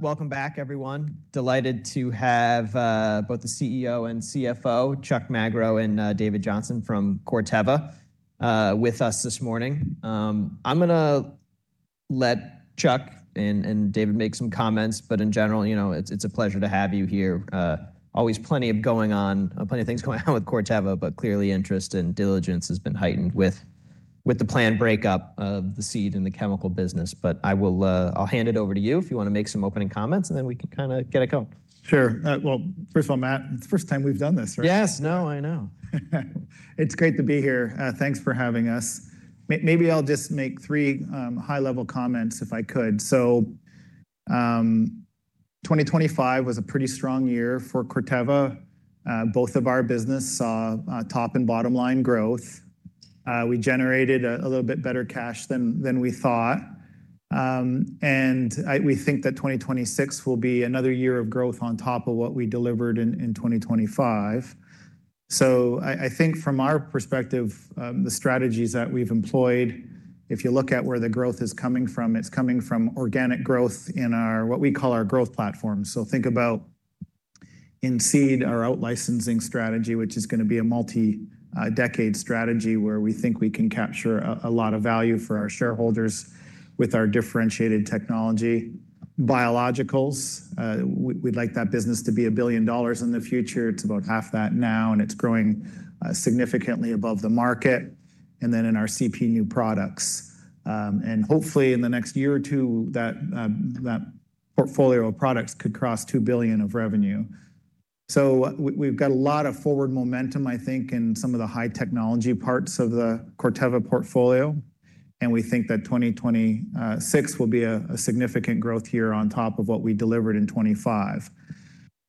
Welcome back, everyone. Delighted to have both the CEO and CFO, Chuck Magro and David Johnson from Corteva, with us this morning. I'm gonna let Chuck and David make some comments, but in general, you know, it's a pleasure to have you here. Always plenty of going on, plenty of things going on with Corteva, but clearly interest and diligence has been heightened with the planned breakup of the seed and the chemical business. I will, I'll hand it over to you if you want to make some opening comments, and then we can kinda get it going. Sure. Well, first of all, Matt, it's the first time we've done this, right? Yes. No, I know. It's great to be here. Thanks for having us. Maybe I'll just make three high-level comments if I could. 2025 was a pretty strong year for Corteva. Both of our business saw top and bottom line growth. We generated a little bit better cash than we thought. We think that 2026 will be another year of growth on top of what we delivered in 2025. I think from our perspective, the strategies that we've employed, if you look at where the growth is coming from, it's coming from organic growth in our what we call our growth platforms. Think about in seed, our out-licensing strategy, which is gonna be a multi-decade strategy, where we think we can capture a lot of value for our shareholders with our differentiated technology. Biologicals, we'd like that business to be $1 billion in the future. It's about half that now, and it's growing significantly above the market. In our CP new products, hopefully in the next year or two, that portfolio of products could cross $2 billion of revenue. We've got a lot of forward momentum, I think, in some of the high technology parts of the Corteva portfolio, and we think that 2026 will be a significant growth year on top of what we delivered in 2025.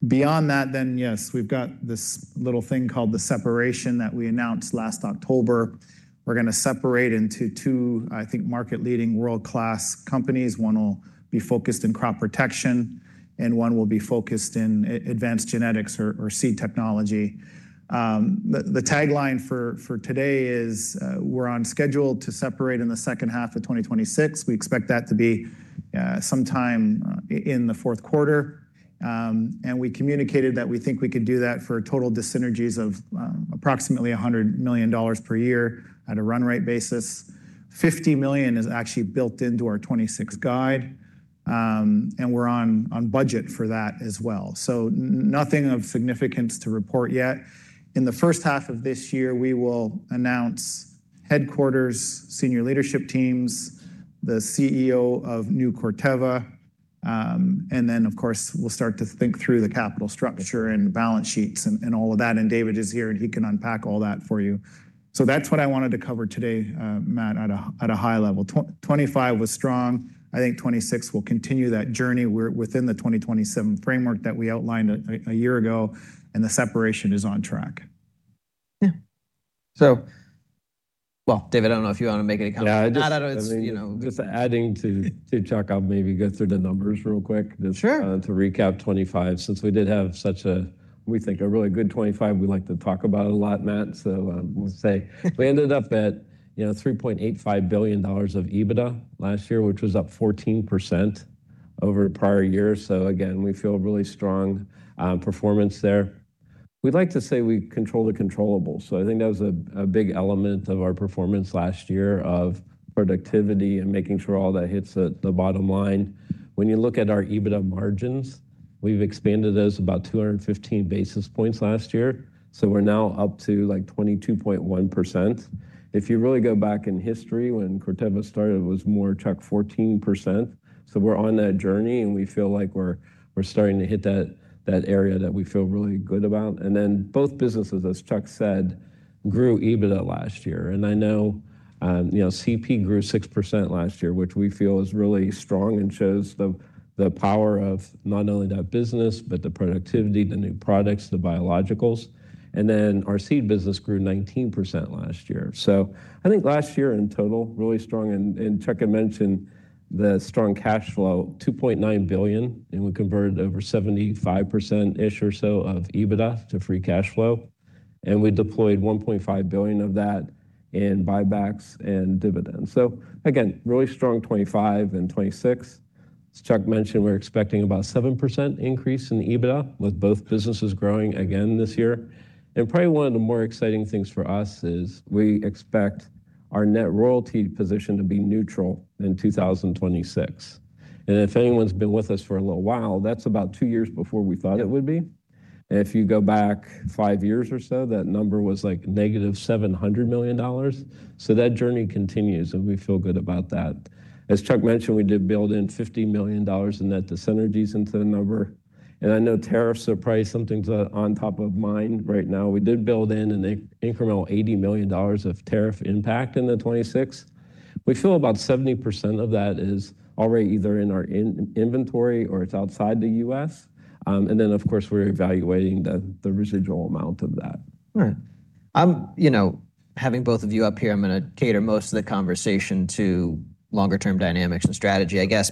Beyond that, yes, we've got this little thing called the separation that we announced last October. We're gonna separate into two, I think, market-leading, world-class companies. One will be focused in crop protection, and one will be focused in advanced genetics or seed technology. The tagline for today is we're on schedule to separate in the second half of 2026. We expect that to be sometime in the fourth quarter. We communicated that we think we could do that for total dis-synergies of approximately $100 million per year at a run rate basis. $50 million is actually built into our 2026 guide, and we're on budget for that as well. Nothing of significance to report yet. In the first half of this year, we will announce headquarters, senior leadership teams, the CEO of New Corteva, and then, of course, we'll start to think through the capital structure and balance sheets and all of that, and David is here, and he can unpack all that for you. That's what I wanted to cover today, Matt, at a high level. 2025 was strong. I think 2026 will continue that journey. We're within the 2027 framework that we outlined a year ago, and the separation is on track. Yeah. Well, David, I don't know if you want to make any comments. Yeah, I just-. No, I don't know. It's, you know... Just adding to Chuck, I'll maybe go through the numbers real quick. Sure. Just to recap 2025, since we did have such a, we think, a really good 2025, we like to talk about it a lot, Matt. We ended up at, you know, $3.85 billion of EBITDA last year, which was up 14% over the prior year. Again, we feel really strong performance there. We'd like to say we control the controllable, so I think that was a big element of our performance last year of productivity and making sure all that hits at the bottom line. When you look at our EBITDA margins, we've expanded those about 215 basis points last year, so we're now up to, like, 22.1%. If you really go back in history, when Corteva started, it was more, Chuck, 14%. We're on that journey, and we feel like we're starting to hit that area that we feel really good about. Both businesses, as Chuck said, grew EBITDA last year. I know, you know CP grew 6% last year, which we feel is really strong and shows the power of not only that business, but the productivity, the new products, the Biologicals. Our seed business grew 19% last year. I think last year in total, really strong, and Chuck had mentioned the strong cash flow, $2.9 billion, and we converted over 75%-ish or so of EBITDA to free cash flow, and we deployed $1.5 billion of that in buybacks and dividends. Again, really strong 2025 and 2026. As Chuck mentioned, we're expecting about 7% increase in EBITDA, with both businesses growing again this year. Probably one of the more exciting things for us is we expect our net royalty position to be neutral in 2026. If anyone's been with us for a little while, that's about two years before we thought it would be. If you go back five years or so, that number was like negative $700 million. That journey continues, and we feel good about that. As Chuck mentioned, we did build in $50 million in net dis-synergies into the number, and I know tariffs are probably something that on top of mind right now. We did build in an incremental $80 million of tariff impact in the 2026. We feel about 70% of that is already either in our inventory or it's outside the US. Of course, we're evaluating the residual amount of that. All right. you know, having both of you up here, I'm gonna cater most of the conversation to longer term dynamics and strategy, I guess.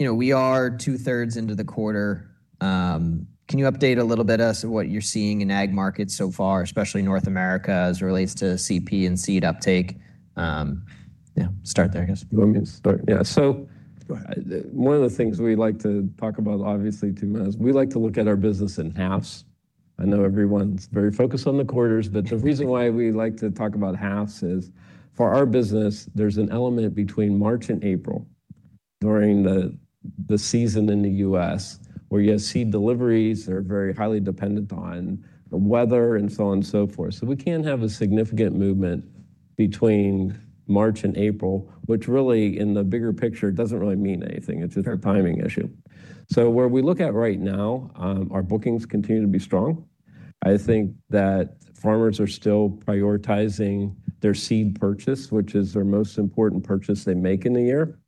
You know, we are two-thirds into the quarter. Can you update a little bit us of what you're seeing in ag markets so far, especially North America, as it relates to CP and seed uptake? Start there, I guess. You want me to start? Yeah. Go ahead. one of the things we like to talk about, obviously, too, is we like to look at our business in halves. I know everyone's very focused on the quarters. The reason why we like to talk about halves is, for our business, there's an element between March and April during the season in the U.S., where you have seed deliveries that are very highly dependent on the weather, and so on and so forth. We can have a significant movement between March and April, which really, in the bigger picture, doesn't really mean anything. It's a timing issue. Where we look at right now, our bookings continue to be strong. I think that farmers are still prioritizing their seed purchase, which is their most important purchase they make in a year.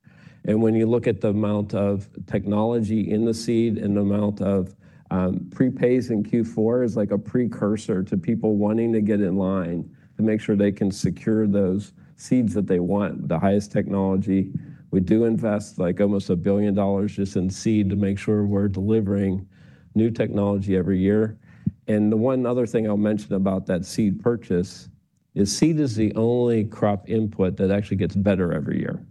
When you look at the amount of technology in the seed and the amount of prepays in Q4 is like a precursor to people wanting to get in line to make sure they can secure those seeds that they want, the highest technology. We do invest, like, almost $1 billion just in seed to make sure we're delivering new technology every year. The one other thing I'll mention about that seed purchase is seed is the only crop input that actually gets better every year.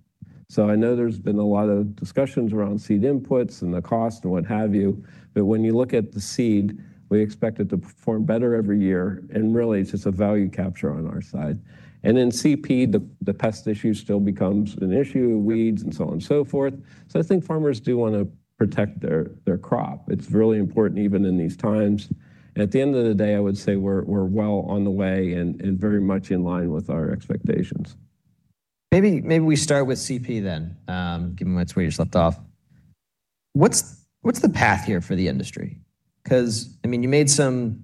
I know there's been a lot of discussions around seed inputs and the cost and what have you, but when you look at the seed, we expect it to perform better every year, and really, it's just a value capture on our side. In CP, the pest issue still becomes an issue, weeds and so on and so forth. I think farmers do want to protect their crop. It's really important, even in these times. At the end of the day, I would say we're well on the way and very much in line with our expectations. Maybe we start with CP then, given that's where you just left off. What's the path here for the industry? Cause, I mean, you made some,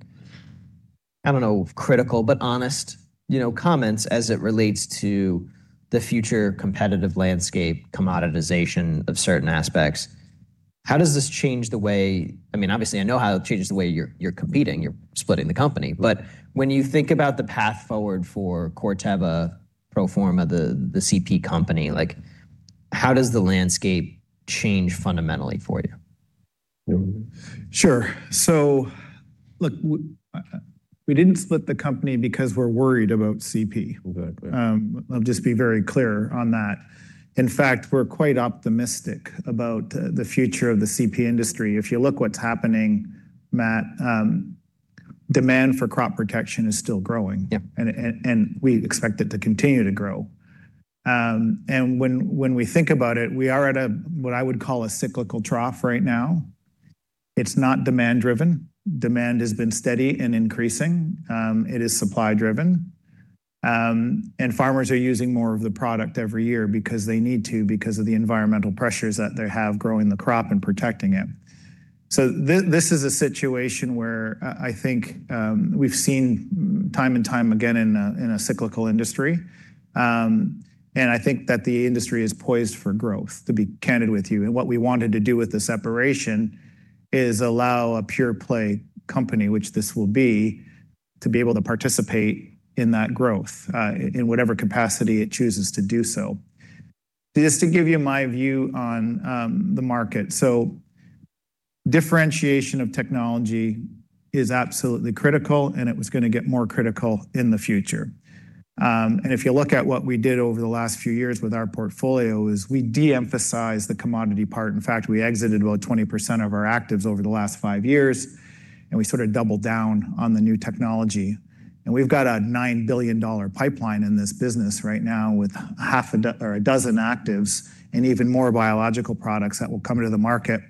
I don't know, critical but honest, you know, comments as it relates to the future competitive landscape, commoditization of certain aspects. How does this change the way... I mean, obviously, I know how it changes the way you're competing, you're splitting the company. When you think about the path forward for Corteva, pro forma, the CP company, like, how does the landscape change fundamentally for you? Sure. Look, we didn't split the company because we're worried about CP. Exactly. Um, I'll just be very clear on that. In fact, we're quite optimistic about, uh, the future of the CP industry. If you look what's happening, Matt, um, demand for crop protection is still growing. Yep. We expect it to continue to grow. When we think about it, we are at a, what I would call a cyclical trough right now. It's not demand driven. Demand has been steady and increasing. It is supply driven. Farmers are using more of the product every year because they need to, because of the environmental pressures that they have growing the crop and protecting it. This is a situation where, I think we've seen time and time again in a cyclical industry. I think that the industry is poised for growth, to be candid with you. What we wanted to do with the separation is allow a pure play company, which this will be, to be able to participate in that growth, in whatever capacity it chooses to do so. Just to give you my view on the market. Differentiation of technology is absolutely critical, and it was gonna get more critical in the future. If you look at what we did over the last few years with our portfolio, is we de-emphasized the commodity part. In fact, we exited about 20% of our actives over the last five years, we sort of doubled down on the new technology. We've got a $9 billion pipeline in this business right now, with a dozen actives and even more Biological products that will come into the market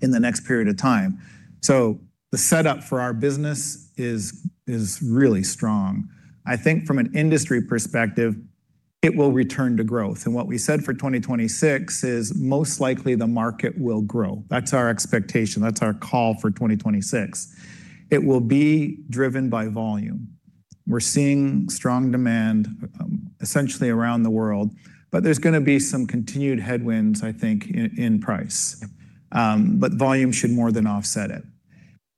in the next period of time. The setup for our business is really strong. I think from an industry perspective, it will return to growth. What we said for 2026 is most likely the market will grow. That's our expectation. That's our call for 2026. It will be driven by volume. We're seeing strong demand, essentially around the world, but there's gonna be some continued headwinds, I think, in price. Yep. But volume should more than offset it.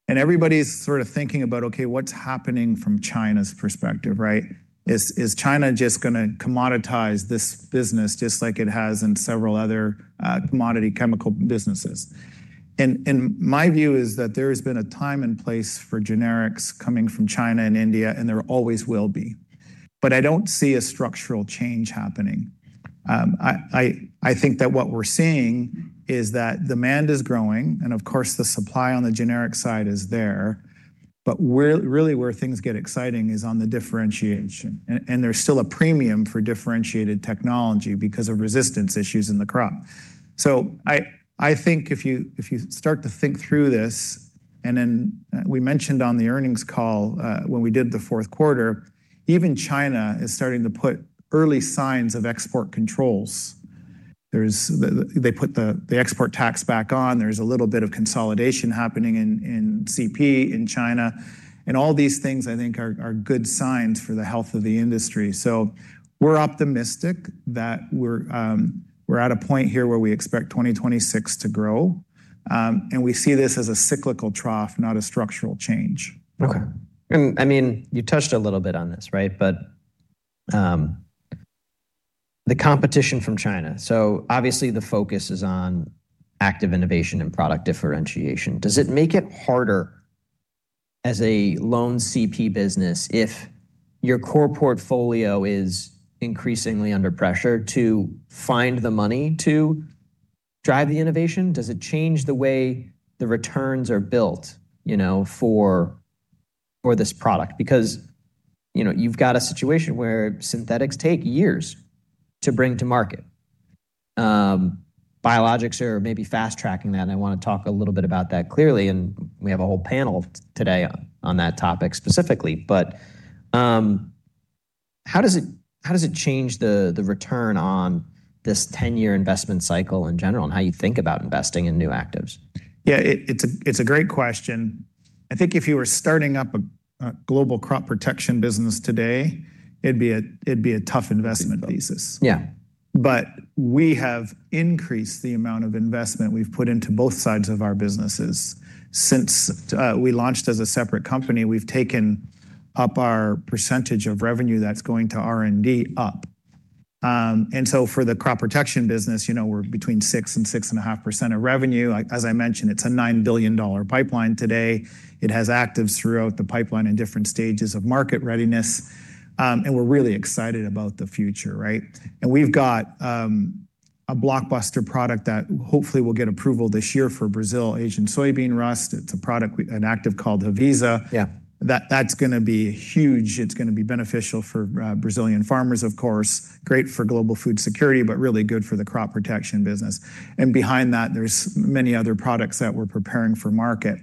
Everybody's sort of thinking about, okay, what's happening from China's perspective, right? Is China just gonna commoditize this business just like it has in several other commodity chemical businesses? My view is that there has been a time and place for generics coming from China and India, and there always will be, but I don't see a structural change happening. I think that what we're seeing is that demand is growing, and of course, the supply on the generic side is there, but really where things get exciting is on the differentiation. And there's still a premium for differentiated technology because of resistance issues in the crop. I think if you start to think through this, then, we mentioned on the earnings call, when we did the fourth quarter, even China is starting to put early signs of export controls. They put the export tax back on. There's a little bit of consolidation happening in CP in China. All these things, I think, are good signs for the health of the industry. We're optimistic that we're at a point here where we expect 2026 to grow. We see this as a cyclical trough, not a structural change. I mean, you touched a little bit on this, right? The competition from China. Obviously, the focus is on active innovation and product differentiation. Does it make it harder as a lone CP business if your core portfolio is increasingly under pressure to find the money to drive the innovation? Does it change the way the returns are built, you know, for this product? Because, you know, you've got a situation where synthetics take years to bring to market. Biologicals are maybe fast-tracking that, and I want to talk a little bit about that clearly, and we have a whole panel today on that topic specifically. How does it, how does it change the return on this 10-year investment cycle in general, and how you think about investing in new actives? Yeah, it's a great question. I think if you were starting up a global crop protection business today, it'd be a tough investment thesis. Yeah. We have increased the amount of investment we've put into both sides of our businesses. Since we launched as a separate company, we've taken up our percentage of revenue that's going to R&D up. For the crop protection business, you know, we're between 6% and 6.5% of revenue. Like, as I mentioned, it's a $9 billion pipeline today. It has actives throughout the pipeline in different stages of market readiness, we're really excited about the future, right? We've got a blockbuster product that hopefully will get approval this year for Brazil, Asian soybean rust. It's a product, an active called Haviza. Yeah. That's gonna be huge. It's gonna be beneficial for Brazilian farmers, of course, great for global food security, but really good for the crop protection business. Behind that, there's many other products that we're preparing for market.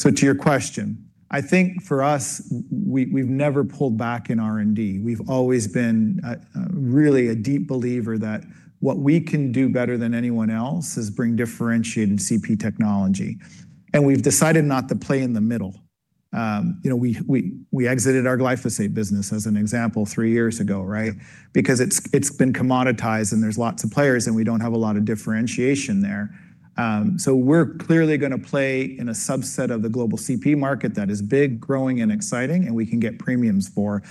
To your question, I think for us, we've never pulled back in R&D. We've always been a really deep believer that what we can do better than anyone else is bring differentiated CP technology, and we've decided not to play in the middle. You know, we exited our glyphosate business, as an example, three years ago, right? It's been commoditized, and there's lots of players, and we don't have a lot of differentiation there. We're clearly gonna play in a subset of the global CP market that is big, growing, and exciting, and we can get premiums for,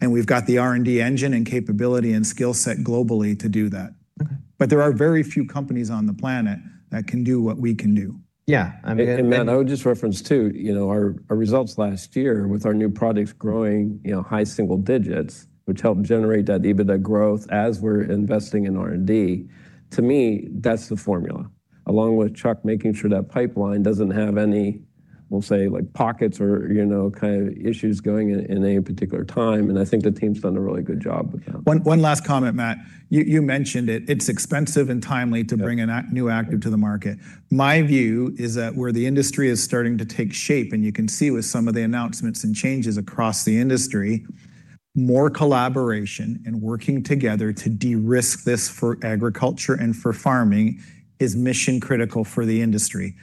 and we've got the R&D engine and capability and skill set globally to do that. Okay. There are very few companies on the planet that can do what we can do. Yeah, I mean. Matt, I would just reference too, you know, our results last year with our new products growing, you know, high single digits, which helped generate that EBITDA growth as we're investing in R&D, to me, that's the formula. Along with Chuck, making sure that pipeline doesn't have any, we'll say, like, pockets or, you know, kind of issues going in any particular time, and I think the team's done a really good job with that. One last comment, Matt. You mentioned it's expensive and timely. Yeah to bring a new active to the market. My view is that where the industry is starting to take shape, and you can see with some of the announcements and changes across the industry, more collaboration and working together to de-risk this for agriculture and for farming is mission critical for the industry.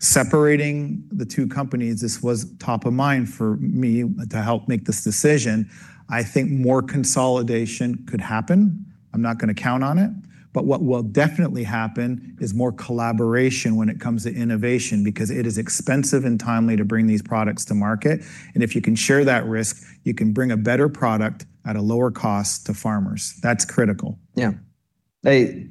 Separating the two companies, this was top of mind for me to help make this decision. I think more consolidation could happen. I'm not gonna count on it. What will definitely happen is more collaboration when it comes to innovation, because it is expensive and timely to bring these products to market, and if you can share that risk, you can bring a better product at a lower cost to farmers. That's critical. I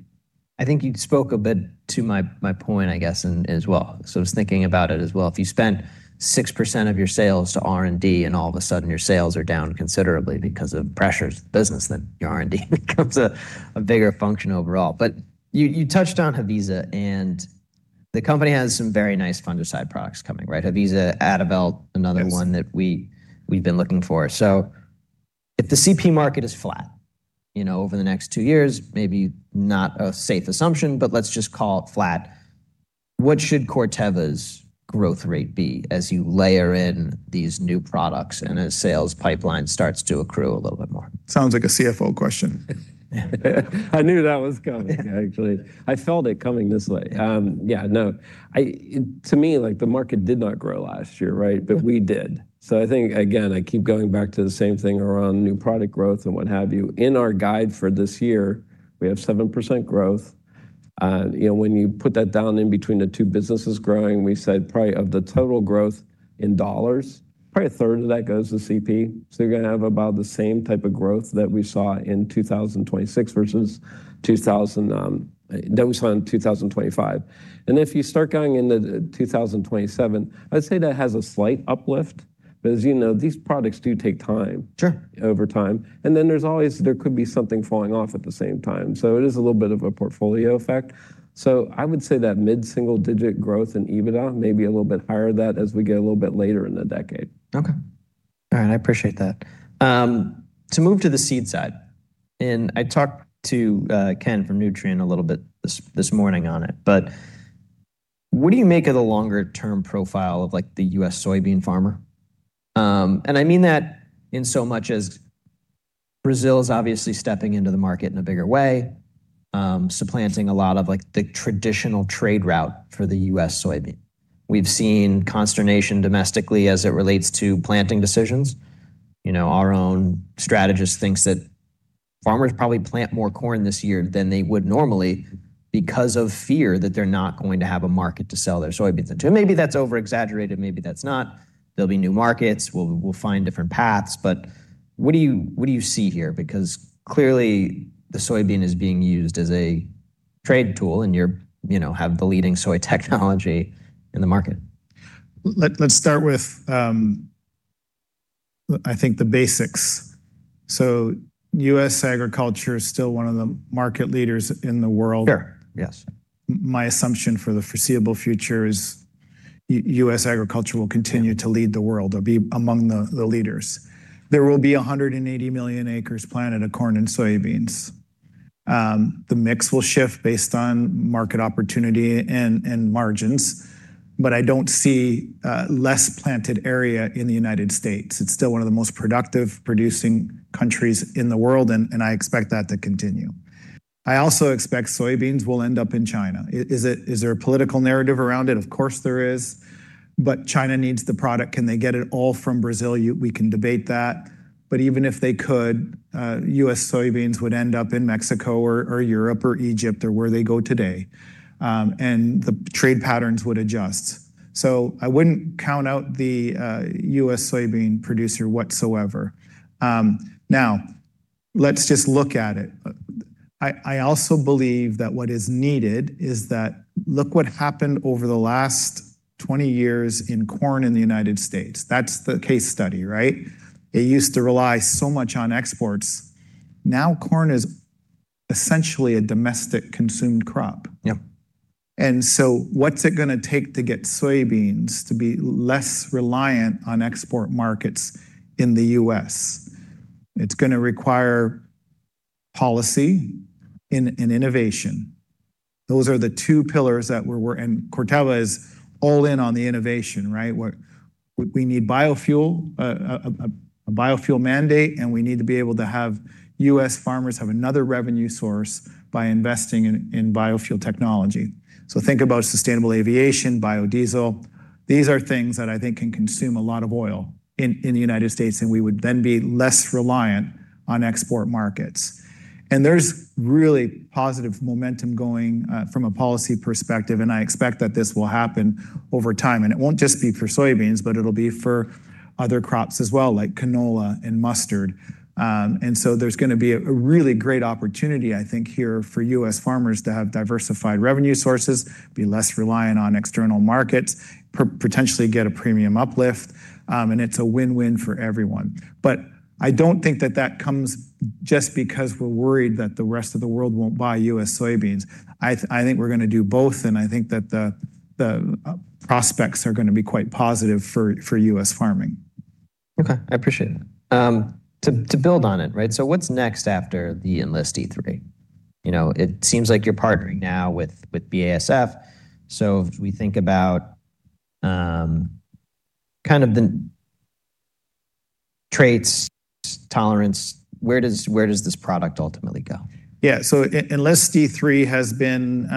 think you spoke a bit to my point, I guess, and as well. I was thinking about it as well. If you spend 6% of your sales to R&D, and all of a sudden your sales are down considerably because of pressures of the business, then your R&D becomes a bigger function overall. You, you touched on Haviza, and the company has some very nice fungicide products coming, right? Haviza, Adavelt- Yes... another one that we've been looking for. If the CP market is flat, you know, over the next two years, maybe not a safe assumption, but let's just call it flat. What should Corteva's growth rate be as you layer in these new products and as sales pipeline starts to accrue a little bit more? Sounds like a CFO question. I knew that was coming, actually. I felt it coming this way. Yeah, no, to me, like, the market did not grow last year, right? Yeah. We did. I think, again, I keep going back to the same thing around new product growth and what have you. In our guide for this year, we have 7% growth. you know, when you put that down in between the two businesses growing, we said probably of the total growth in dollars, probably a third of that goes to CP. you're gonna have about the same type of growth that we saw in 2026 versus that we saw in 2025. If you start going into 2027, I'd say that has a slight uplift, but as you know, these products do take time- Sure... over time, and then there's always, there could be something falling off at the same time. It is a little bit of a portfolio effect. I would say that mid-single-digit growth in EBITDA, maybe a little bit higher than that as we get a little bit later in the decade. Okay. All right, I appreciate that. To move to the seed side, I talked to Ken from Nutrien a little bit this morning on it. What do you make of the longer term profile of, like, the U.S. soybean farmer? I mean that in so much as Brazil is obviously stepping into the market in a bigger way, supplanting a lot of, like, the traditional trade route for the U.S. soybean. We've seen consternation domestically as it relates to planting decisions. You know, our own strategist thinks that farmers probably plant more corn this year than they would normally because of fear that they're not going to have a market to sell their soybeans into. Maybe that's over-exaggerated, maybe that's not. There'll be new markets, we'll find different paths. What do you, what do you see here? Clearly the soybean is being used as a trade tool, and you know, have the leading soy technology in the market. Let's start with, I think the basics. U.S. agriculture is still one of the market leaders in the world. Sure, yes. My assumption for the foreseeable future is US agriculture will continue... Yeah to lead the world or be among the leaders. There will be 180 million acres planted of corn and soybeans. The mix will shift based on market opportunity and margins, but I don't see less planted area in the United States. It's still one of the most productive producing countries in the world, and I expect that to continue. I also expect soybeans will end up in China. Is there a political narrative around it? Of course there is, but China needs the product. Can they get it all from Brazil? We can debate that. Even if they could, U.S. soybeans would end up in Mexico or Europe or Egypt or where they go today. The trade patterns would adjust. I wouldn't count out the U.S. soybean producer whatsoever. Let's just look at it. I also believe that what is needed is that, look what happened over the last 20 years in corn in the United States. That's the case study, right? It used to rely so much on exports. Now, corn is essentially a domestic consumed crop. Yep. What's it gonna take to get soybeans to be less reliant on export markets in the U.S.? It's gonna require policy and innovation. Those are the two pillars. Corteva is all in on the innovation, right? We need biofuel, a biofuel mandate, and we need to be able to have U.S. farmers have another revenue source by investing in biofuel technology. Think about sustainable aviation, biodiesel. These are things that I think can consume a lot of oil in the United States, and we would then be less reliant on export markets. There's really positive momentum going from a policy perspective, and I expect that this will happen over time. It won't just be for soybeans, but it'll be for other crops as well, like canola and mustard. There's gonna be a really great opportunity, I think, here for US farmers to have diversified revenue sources, be less reliant on external markets, potentially get a premium uplift, and it's a win-win for everyone. I don't think that that comes just because we're worried that the rest of the world won't buy US soybeans. I think we're gonna do both, and I think that the prospects are gonna be quite positive for US farming. Okay, I appreciate it. To build on it, right, what's next after the Enlist E3? You know, it seems like you're partnering now with BASF, if we think about kind of the traits, tolerance, where does this product ultimately go? Yeah. Enlist E3 has been,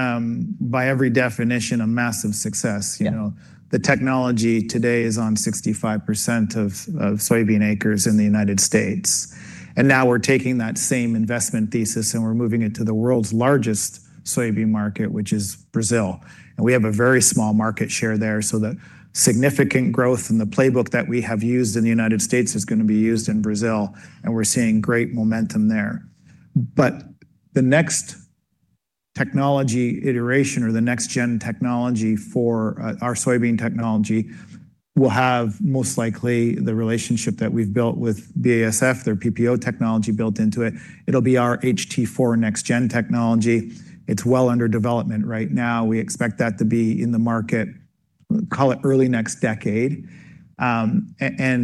by every definition, a massive success. Yeah. You know, the technology today is on 65% of soybean acres in the United States. Now we're taking that same investment thesis, and we're moving it to the world's largest soybean market, which is Brazil. We have a very small market share there, so the significant growth and the playbook that we have used in the United States is gonna be used in Brazil, and we're seeing great momentum there. The next technology iteration or the next-gen technology for our soybean technology will have, most likely, the relationship that we've built with BASF, their PPO technology built into it. It'll be our HT4 next-gen technology. It's well under development right now. We expect that to be in the market, call it early next decade.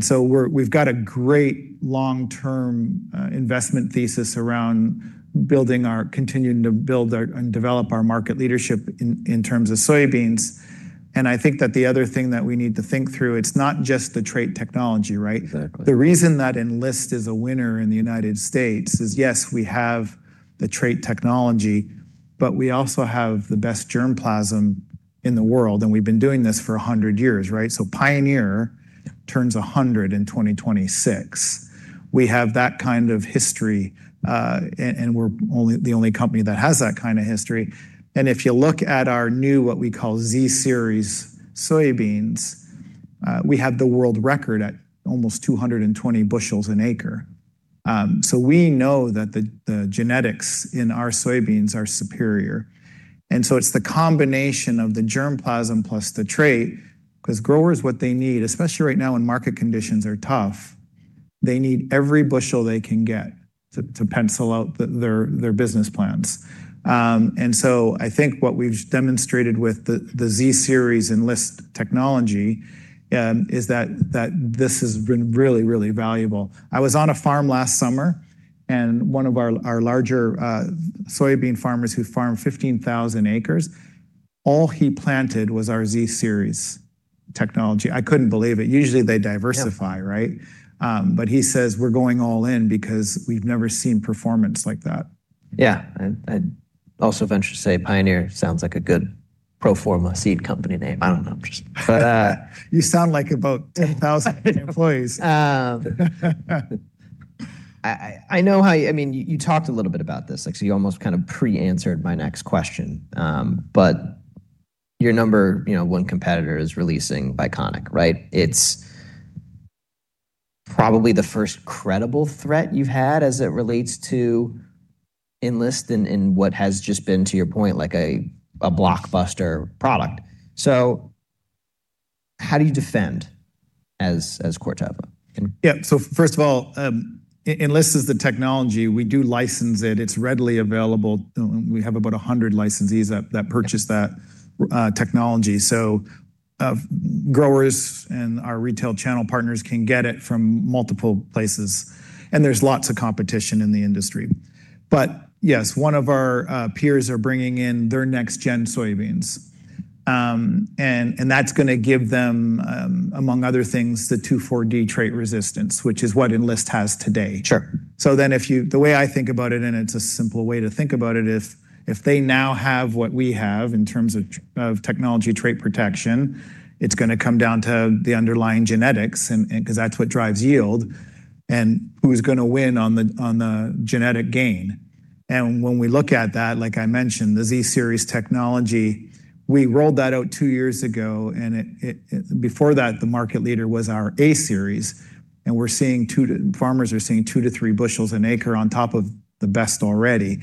So we've got a great long-term investment thesis around building our continuing to build our, and develop our market leadership in terms of soybeans. I think that the other thing that we need to think through, it's not just the trait technology, right? Exactly. The reason that Enlist is a winner in the United States is, yes, we have the trait technology, but we also have the best germplasm in the world, and we've been doing this for 100 years, right? Pioneer turns 100 in 2026. We have that kind of history, and we're the only company that has that kind of history. If you look at our new, what we call Z-Series soybeans, we have the world record at almost 220 bushels an acre. We know that the genetics in our soybeans are superior. It's the combination of the germplasm plus the trait, 'cause growers, what they need, especially right now when market conditions are tough, they need every bushel they can get to pencil out their busiess plans. I think what we've demonstrated with the Z-Series Enlist technology is that this has been really, really valuable. I was on a farm last summer, and one of our larger soybean farmers who farm 15,000 acres, all he planted was our Z-Series technology. I couldn't believe it. Usually, they diversify- Yeah... right? He says: "We're going all in because we've never seen performance like that. Yeah, I'd also venture to say Pioneer sounds like a good pro forma seed company name. I don't know, I'm just... But You sound like about 10,000 employees. I, I know how you, I mean, you talked a little bit about this, like, so you almost kind of pre-answered my next question. Your number, you know, one competitor is releasing biconic, right? It's probably the first credible threat you've had as it relates to Enlist in what has just been, to your point, like a blockbuster product. How do you defend as Corteva? First of all, Enlist is the technology. We do license it. It's readily available. We have about 100 licensees that purchase that technology. Growers and our retail channel partners can get it from multiple places, and there's lots of competition in the industry. Yes, one of our peers are bringing in their next-gen soybeans. And that's gonna give them among other things, the 2,4-D trait resistance, which is what Enlist has today. Sure. If you the way I think about it, and it's a simple way to think about it, if they now have what we have in terms of technology trait protection, it's gonna come down to the underlying genetics and 'cause that's what drives yield, and who's gonna win on the genetic gain. When we look at that, like I mentioned, the Z-Series technology, we rolled that out two years ago, and it, before that, the market leader was our A-Series. Farmers are seeing two to three bushels an acre on top of the best already.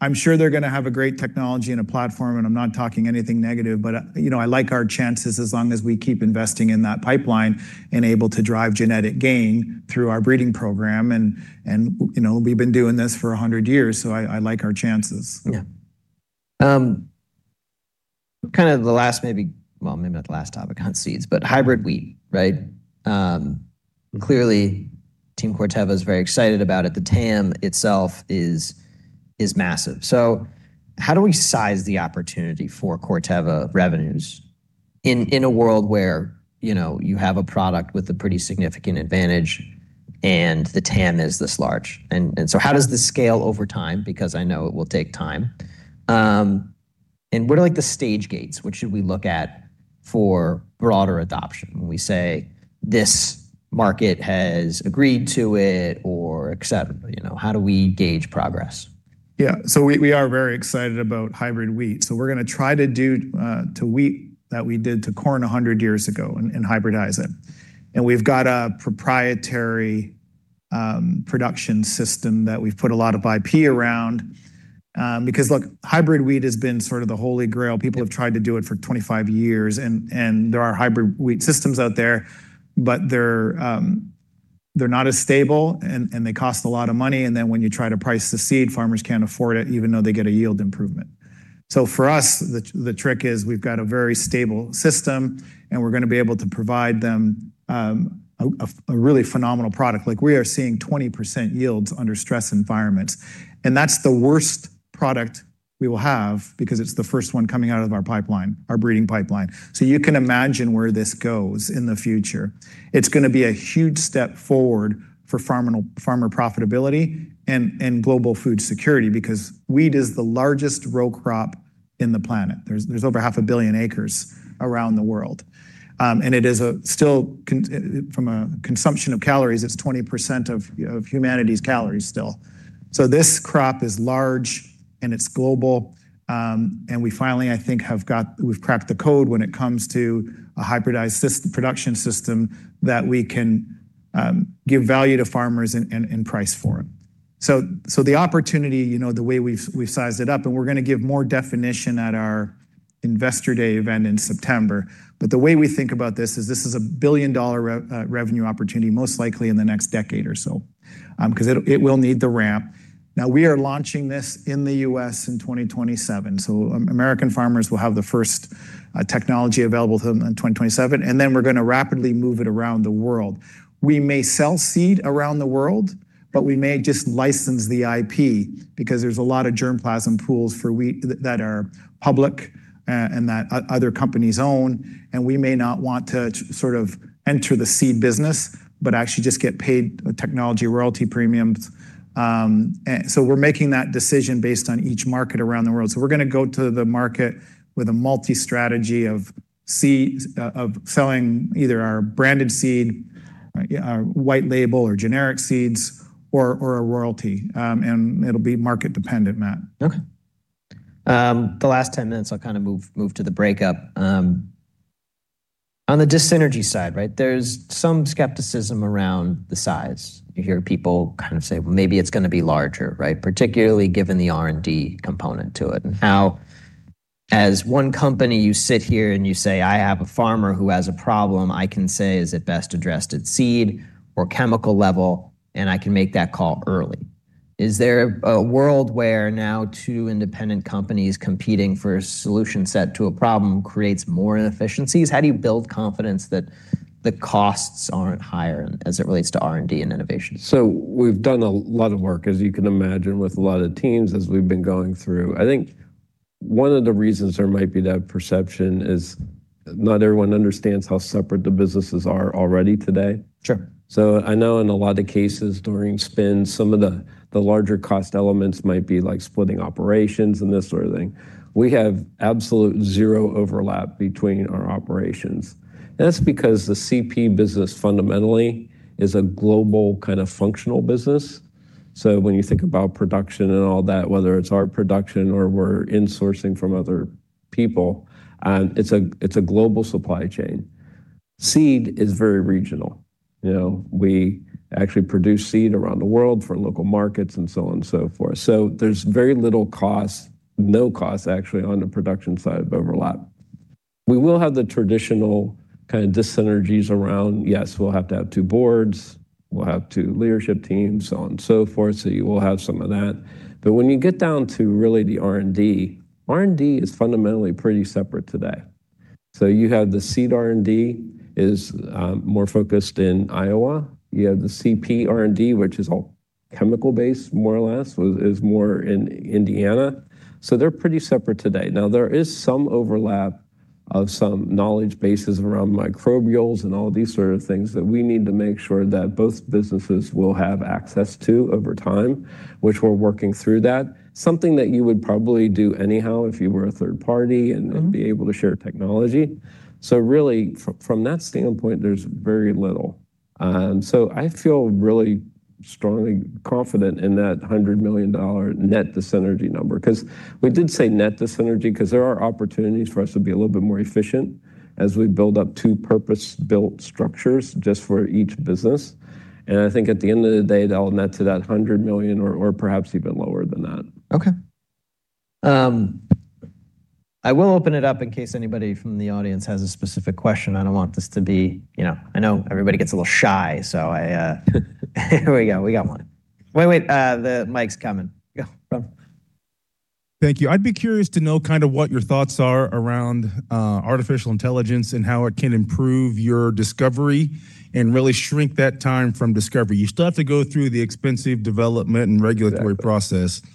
I'm sure they're gonna have a great technology and a platform, and I'm not talking anything negative, but, you know, I like our chances as long as we keep investing in that pipeline and able to drive genetic gain through our breeding program. You know, we've been doing this for 100 years, so I like our chances. Yeah. Kind of the last, maybe, well, maybe not the last topic, hunt seeds, but hybrid wheat, right? Clearly, Team Corteva is very excited about it. The TAM itself is massive. How do we size the opportunity for Corteva revenues in a world where, you know, you have a product with a pretty significant advantage, and the TAM is this large? How does this scale over time? Because I know it will take time. What are, like, the stage gates? What should we look at for broader adoption when we say, this market has agreed to it or et cetera? You know, how do we gauge progress? Yeah. We, we are very excited about hybrid wheat. We're gonna try to do to wheat what we did to corn 100 years ago and hybridize it. We've got a proprietary production system that we've put a lot of IP around. Because look, hybrid wheat has been sort of the holy grail. People have tried to do it for 25 years, and there are hybrid wheat systems out there, but they're not as stable and they cost a lot of money. When you try to price the seed, farmers can't afford it, even though they get a yield improvement. For us, the trick is we've got a very stable system, and we're gonna be able to provide them a really phenomenal product. We are seeing 20% yields under stress environments, and that's the worst product we will have because it's the first one coming out of our pipeline, our breeding pipeline. You can imagine where this goes in the future. It's gonna be a huge step forward for farming, farmer profitability and global food security, because wheat is the largest row crop in the planet. There's over half a billion acres around the world. It is a still from a consumption of calories, it's 20% of humanity's calories still. This crop is large, and it's global. We finally, I think, We've cracked the code when it comes to a hybridized production system that we can give value to farmers and price for them. The opportunity, you know, the way we've sized it up, and we're gonna give more definition at our investor day event in September. The way we think about this is, this is a billion-dollar revenue opportunity, most likely in the next decade or so, 'cause it will need the ramp. We are launching this in the US in 2027, so American farmers will have the first technology available to them in 2027, and then we're gonna rapidly move it around the world. We may sell seed around the world, but we may just license the IP because there's a lot of germplasm pools for wheat that are public, and that other companies own. We may not want to sort of enter the seed business, but actually just get paid a technology royalty premium. We're making that decision based on each market around the world. We're gonna go to the market with a multi-strategy of seeds, of selling either our branded seed, white label, or generic seeds or a royalty. It'll be market dependent, Matt. Okay. The last 10 minutes, I'll kind of move to the breakup. On the dis-synergy side, right, there's some skepticism around the size. You hear people kind of say, "Well, maybe it's gonna be larger," right? Particularly given the R&D component to it and how as one company, you sit here, and you say, "I have a farmer who has a problem, I can say is it best addressed at seed or chemical level, and I can make that call early." Is there a world where now two independent companies competing for a solution set to a problem creates more inefficiencies? How do you build confidence that the costs aren't higher as it relates to R&D and innovation? We've done a lot of work, as you can imagine, with a lot of teams as we've been going through. One of the reasons there might be that perception is not everyone understands how separate the businesses are already today. Sure. I know in a lot of cases during spins, some of the larger cost elements might be like splitting operations and this sort of thing. We have absolute zero overlap between our operations, and that's because the CP business fundamentally is a global kind of functional business. When you think about production and all that, whether it's our production or we're insourcing from other people, and it's a global supply chain. Seed is very regional. You know, we actually produce seed around the world for local markets and so on and so forth. There's very little cost, no cost actually, on the production side of overlap. We will have the traditional kind of dis-synergies around. Yes, we'll have to have two boards, we'll have two leadership teams, so on and so forth. You will have some of that. When you get down to really the R&D, R&D is fundamentally pretty separate today. You have the seed R&D is more focused in Iowa. You have the CP R&D, which is all chemical-based, more or less, is more in Indiana. They're pretty separate today. There is some overlap of some knowledge bases around microbials and all these sort of things that we need to make sure that both businesses will have access to over time, which we're working through that. Something that you would probably do anyhow if you were a third party. Mm-hmm and be able to share technology. Really, from that standpoint, there's very little. I feel really strongly confident in that $100 million net dis-synergy number, 'cause we did say net dis-synergy, 'cause there are opportunities for us to be a little bit more efficient as we build up two purpose-built structures just for each business. I think at the end of the day, that'll net to that $100 million or perhaps even lower than that. Okay. I will open it up in case anybody from the audience has a specific question. I don't want this to be, you know. I know everybody gets a little shy, so here we go. We got one. Wait, the mic's coming. Yeah, Rob. Thank you. I'd be curious to know kind of what your thoughts are around artificial intelligence and how it can improve your discovery and really shrink that time from discovery. You still have to go through the expensive development and regulatory process. Exactly.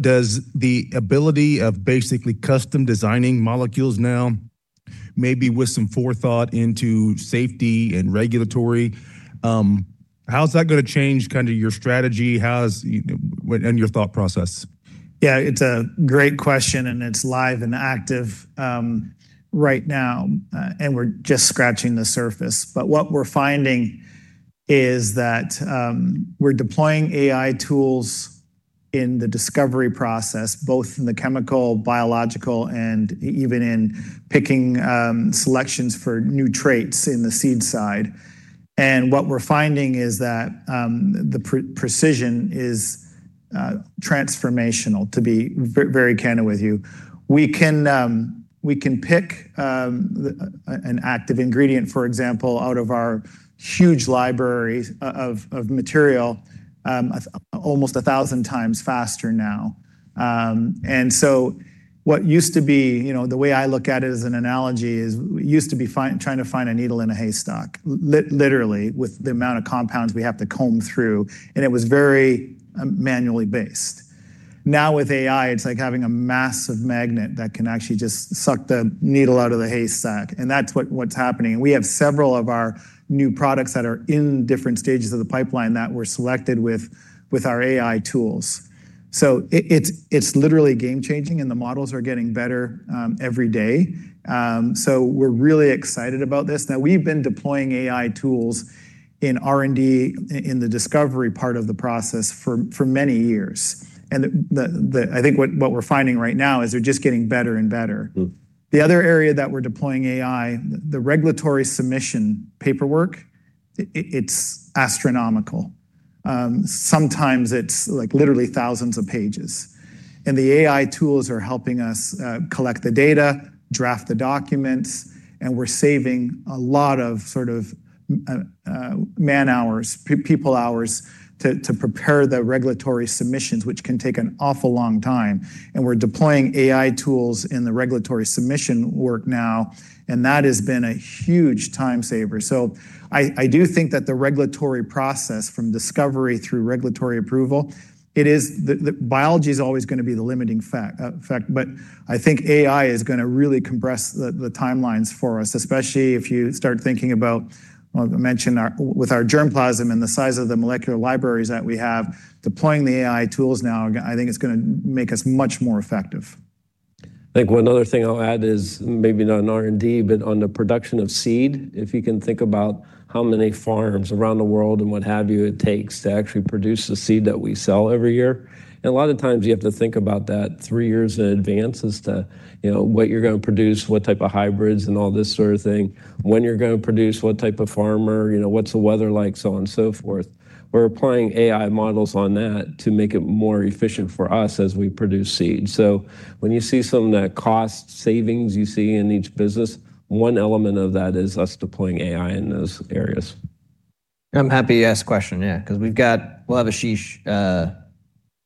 Does the ability of basically custom-designing molecules now, maybe with some forethought into safety and regulatory, how is that gonna change kind of your strategy and your thought process? Yeah, it's a great question, and it's live and active right now, and we're just scratching the surface. What we're finding is that we're deploying AI tools in the discovery process, both in the chemical, biological, and even in picking selections for new traits in the seed side. What we're finding is that the precision is transformational, to be very candid with you. We can we can pick an active ingredient, for example, out of our huge library of material, almost 1,000 times faster now. What used to be, you know, the way I look at it as an analogy is, it used to be trying to find a needle in a haystack, literally, with the amount of compounds we have to comb through, and it was very, manually based. Now, with AI, it's like having a massive magnet that can actually just suck the needle out of the haystack, and that's what's happening. We have several of our new products that are in different stages of the pipeline that were selected with our AI tools. It's literally game-changing, and the models are getting better every day. We're really excited about this. We've been deploying AI tools in R&D, in the discovery part of the process for many years. I think what we're finding right now is they're just getting better and better. Mm. The other area that we're deploying AI, the regulatory submission paperwork, it's astronomical. Sometimes it's, like, literally thousands of pages, and the AI tools are helping us collect the data, draft the documents, and we're saving a lot of sort of man-hours, people hours to prepare the regulatory submissions, which can take an awful long time, and we're deploying AI tools in the regulatory submission work now, and that has been a huge time saver. I do think that the regulatory process, from discovery through regulatory approval, it is... The biology is always gonna be the limiting fact, but I think AI is gonna really compress the timelines for us, especially if you start thinking about, well, I mentioned with our germplasm and the size of the molecular libraries that we have, deploying the AI tools now, I think it's gonna make us much more effective. I think one other thing I'll add is maybe not in R&D, but on the production of seed. If you can think about how many farms around the world and what have you, it takes to actually produce the seed that we sell every year. A lot of times, you have to think about that three years in advance as to, you know, what you're gonna produce, what type of hybrids, and all this sort of thing. When you're gonna produce, what type of farmer, you know, what's the weather like, so on and so forth. We're applying AI models on that to make it more efficient for us as we produce seed. When you see some of that cost savings you see in each business, one element of that is us deploying AI in those areas. I'm happy you asked the question, yeah, 'cause we'll have Ashish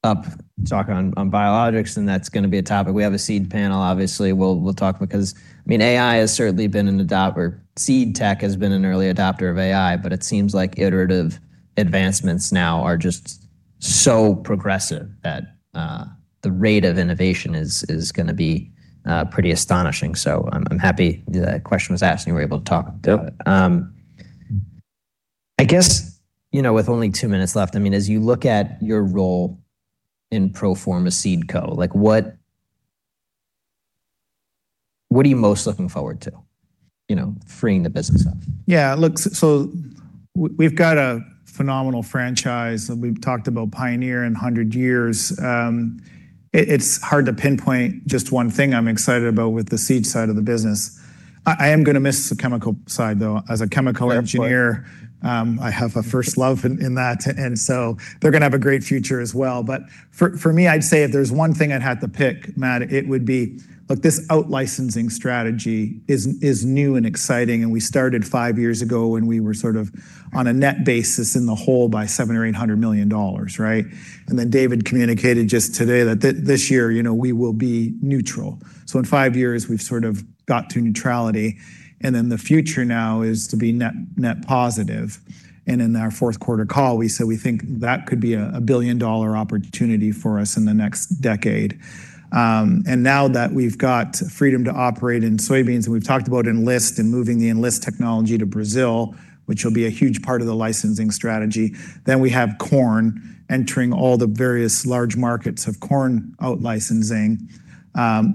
up talking on biologics, and that's gonna be a topic. We have a seed panel, obviously. We'll, we'll talk because, I mean, AI has certainly been an adopter. Seed tech has been an early adopter of AI, but it seems like iterative advancements now are just so progressive that, the rate of innovation is gonna be pretty astonishing. I'm happy the question was asked, and we were able to talk about it. Dope. I guess, you know, with only two minutes left, I mean, as you look at your role in pro forma SeedCo, like, what are you most looking forward to? You know, freeing the business up. Look, we've got a phenomenal franchise, and we've talked about Pioneer and 100 years. It's hard to pinpoint just one thing I'm excited about with the seed side of the business. I am gonna miss the chemical side, though. Yeah, of course. As a chemical engineer, I have a first love in that. They're gonna have a great future as well. For me, I'd say if there's one thing I'd have to pick, Matt, it would be. Look, this out-licensing strategy is new and exciting. We started five years ago when we were sort of on a net basis in the hole by $700 million-$800 million, right? David communicated just today that this year, you know, we will be neutral. In five years, we've sort of got to neutrality. The future now is to be net positive. In our fourth quarter call, we said we think that could be a billion-dollar opportunity for us in the next decade. Now that we've got freedom to operate in soybeans, and we've talked about Enlist and moving the Enlist technology to Brazil, which will be a huge part of the licensing strategy, we have corn entering all the various large markets of corn out-licensing.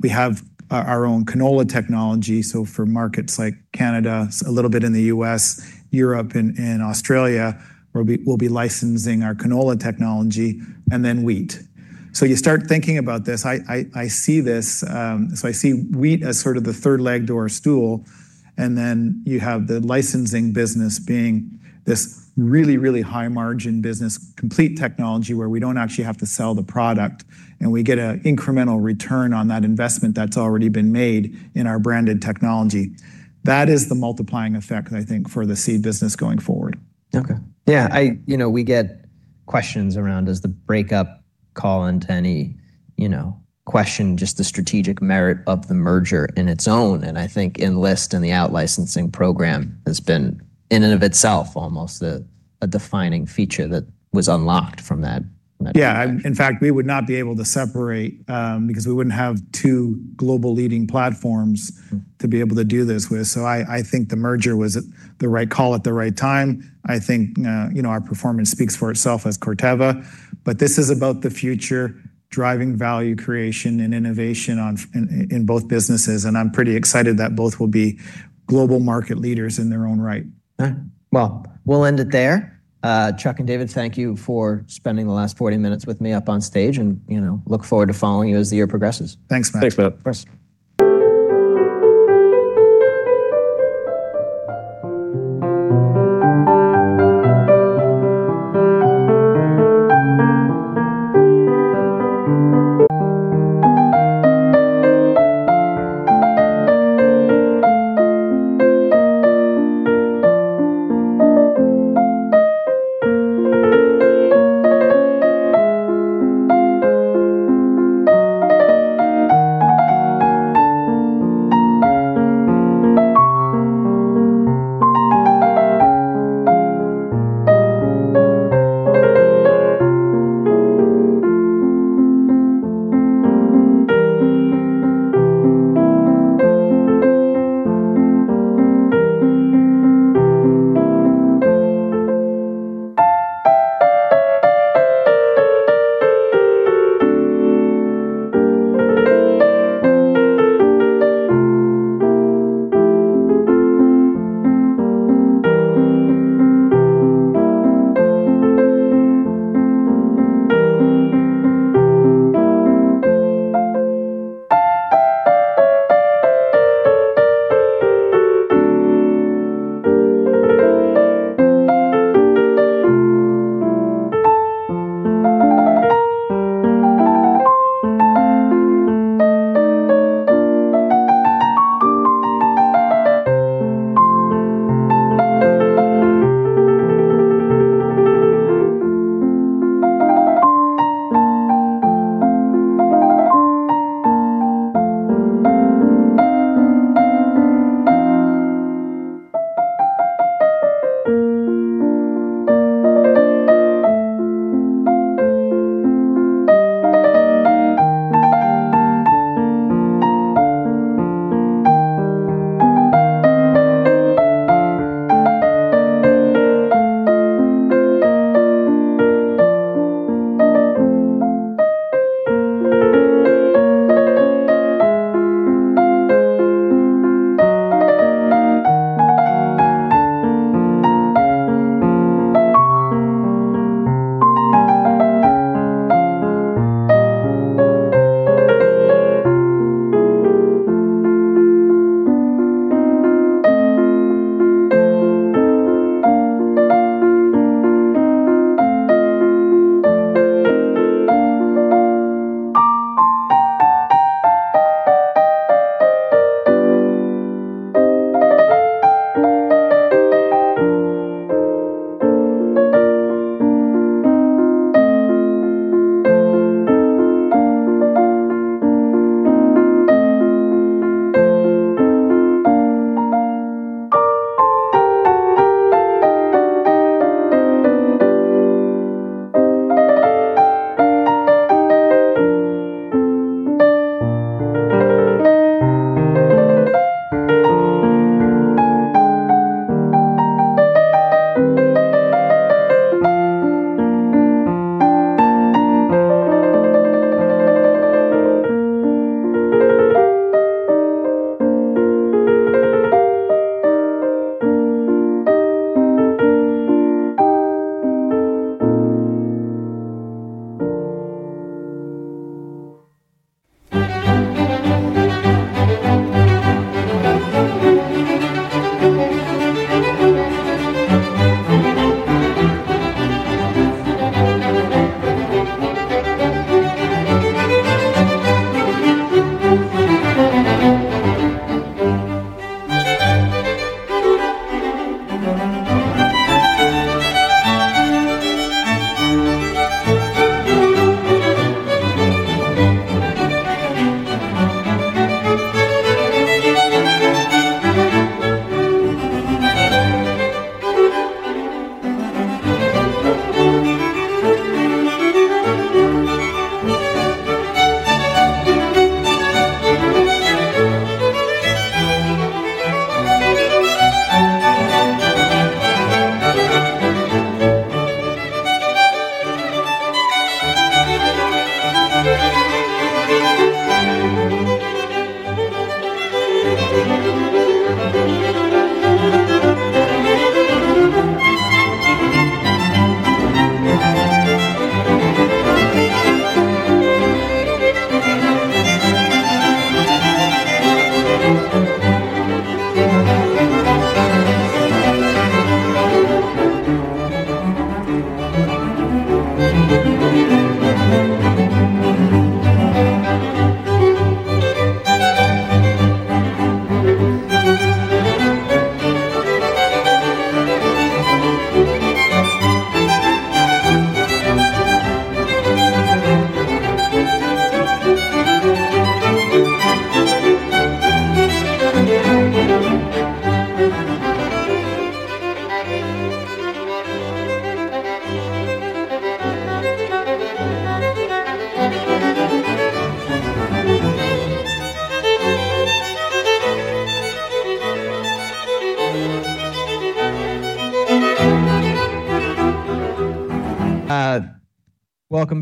We have our own canola technology, so for markets like Canada, a little bit in the U.S., Europe, and Australia, we'll be licensing our canola technology, then wheat. You start thinking about this. I see wheat as sort of the third leg to our stool, and then you have the licensing business being this really, really high-margin business, complete technology, where we don't actually have to sell the product, and we get a incremental return on that investment that's already been made in our branded technology. That is the multiplying effect, I think, for the seed business going forward. Okay. Yeah. You know, we get questions around, does the breakup call into any, you know, question just the strategic merit of the merger in its own? I think Enlist and the out-licensing program has been, in and of itself, almost a defining feature that was unlocked from that. Yeah, in fact, we would not be able to separate, because we wouldn't have two global leading platforms. Mm-hmm... to be able to do this with. I think the merger was at the right call at the right time. I think, you know, our performance speaks for itself as Corteva, but this is about the future, driving value creation and innovation in both businesses, and I'm pretty excited that both will be global market leaders in their own right. Well, we'll end it there. Chuck and David, thank you for spending the last 40 minutes with me up on stage, and, you know, look forward to following you as the year progresses. Thanks, Matt. Thanks, Matt.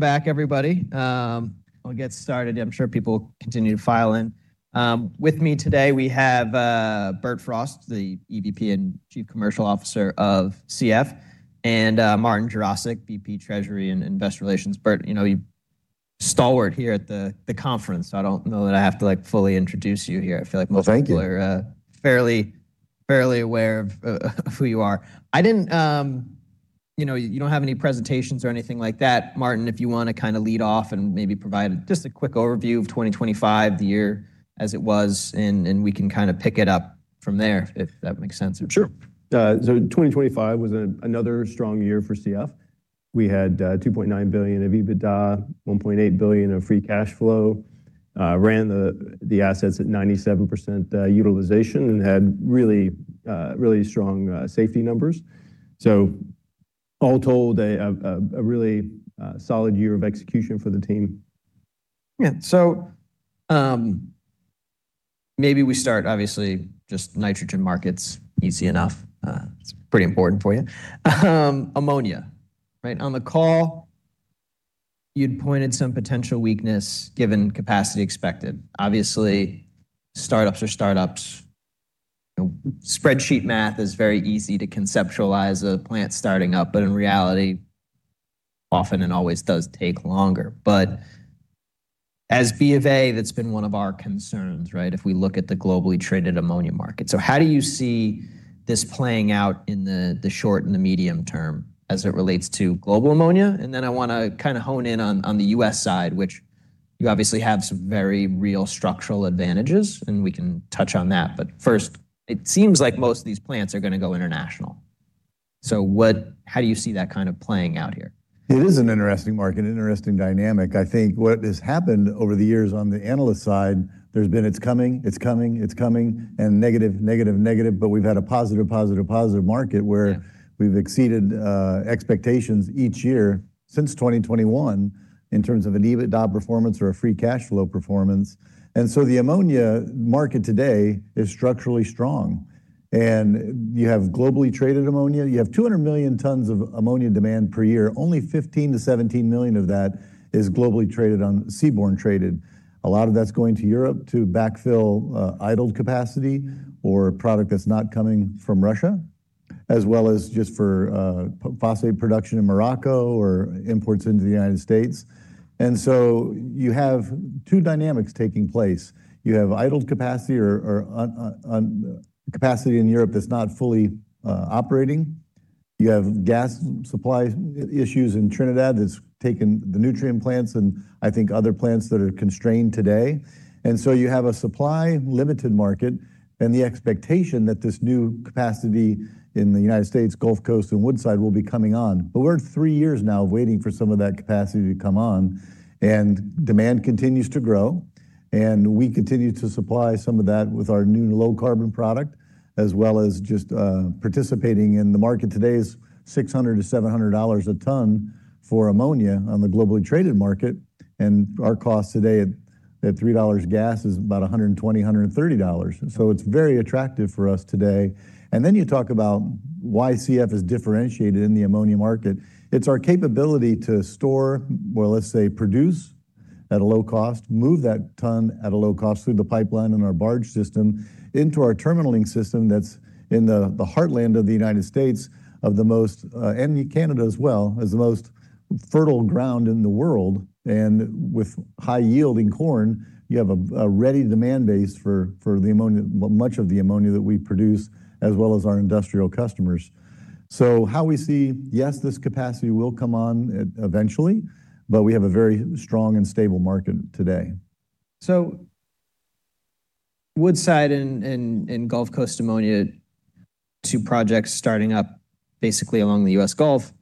Of course. Welcome back, everybody. We'll get started. I'm sure people will continue to file in. With me today, we have Bert Frost, the EVP and Chief Commercial Officer of CF, and Martin Jurasik, VP Treasury and Investor Relations. Bert, you know, you're stalwart here at the conference. I don't know that I have to, like, fully introduce you here. I feel like most people are. Thank you. fairly aware of who you are. I didn't. You know, you don't have any presentations or anything like that. Martin, if you want to kind of lead off and maybe provide just a quick overview of 2025, the year as it was, and we can kind of pick it up from there, if that makes sense? Sure. 2025 was another strong year for CF. We had $2.9 billion of EBITDA, $1.8 billion of free cash flow, ran the assets at 97% utilization, and had really strong safety numbers. All told, a really solid year of execution for the team. Yeah. Maybe we start, obviously, just nitrogen markets, easy enough. It's pretty important for you. Ammonia, right? On the call, you'd pointed some potential weakness given capacity expected. Obviously, startups are startups. You know, spreadsheet math is very easy to conceptualize a plant starting up, but in reality, often and always does take longer. As Bank of America, that's been one of our concerns, right? If we look at the globally traded ammonia market. How do you see this playing out in the short and the medium term as it relates to global ammonia? I wanna kind of hone in on the U.S. side, which you obviously have some very real structural advantages, and we can touch on that. First, it seems like most of these plants are gonna go international. How do you see that kind of playing out here? It is an interesting market, an interesting dynamic. I think what has happened over the years on the analyst side, there's been, "It's coming, it's coming, it's coming," and, "Negative, negative." We've had a positive, positive market. Yeah where we've exceeded expectations each year since 2021 in terms of an EBITDA performance or a free cash flow performance. The ammonia market today is structurally strong, and you have globally traded ammonia. You have 200 million tons of ammonia demand per year. Only 15 million-17 million of that is globally traded seaborne traded. A lot of that's going to Europe to backfill idled capacity or product that's not coming from Russia, as well as just for phosphate production in Morocco or imports into the United States. You have two dynamics taking place. You have idled capacity or on capacity in Europe that's not fully operating. You have gas supply issues in Trinidad that's taken the nutrient plants and I think other plants that are constrained today. You have a supply-limited market and the expectation that this new capacity in the United States, Gulf Coast, and Woodside will be coming on. We're three years now waiting for some of that capacity to come on, and demand continues to grow. We continue to supply some of that with our new low carbon product, as well as just participating in the market. Today is $600-$700 a ton for ammonia on the globally traded market, and our cost today at $3 gas is about $120-$130. It's very attractive for us today. You talk about why CF is differentiated in the ammonia market. It's our capability to store, well, let's say, produce at a low cost, move that ton at a low cost through the pipeline and our barge system into our terminaling system that's in the heartland of the United States, of the most, and Canada as well, has the most fertile ground in the world. With high yielding corn, you have a ready demand base for the ammonia, well, much of the ammonia that we produce, as well as our industrial customers. How we see, yes, this capacity will come on eventually, but we have a very strong and stable market today. Woodside and Gulf Coast Ammonia, two projects starting up basically along the U.S. Gulf.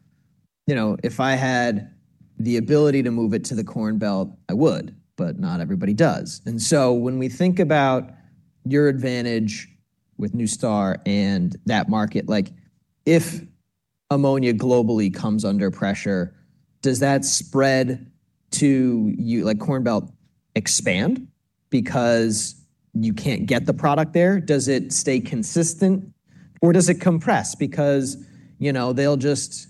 You know, if I had the ability to move it to the Corn Belt, I would, but not everybody does. When we think about your advantage with NuStar and that market, like, if ammonia globally comes under pressure, does that spread to you, like Corn Belt expand because you can't get the product there? Does it stay consistent or does it compress? Because, you know, they'll just...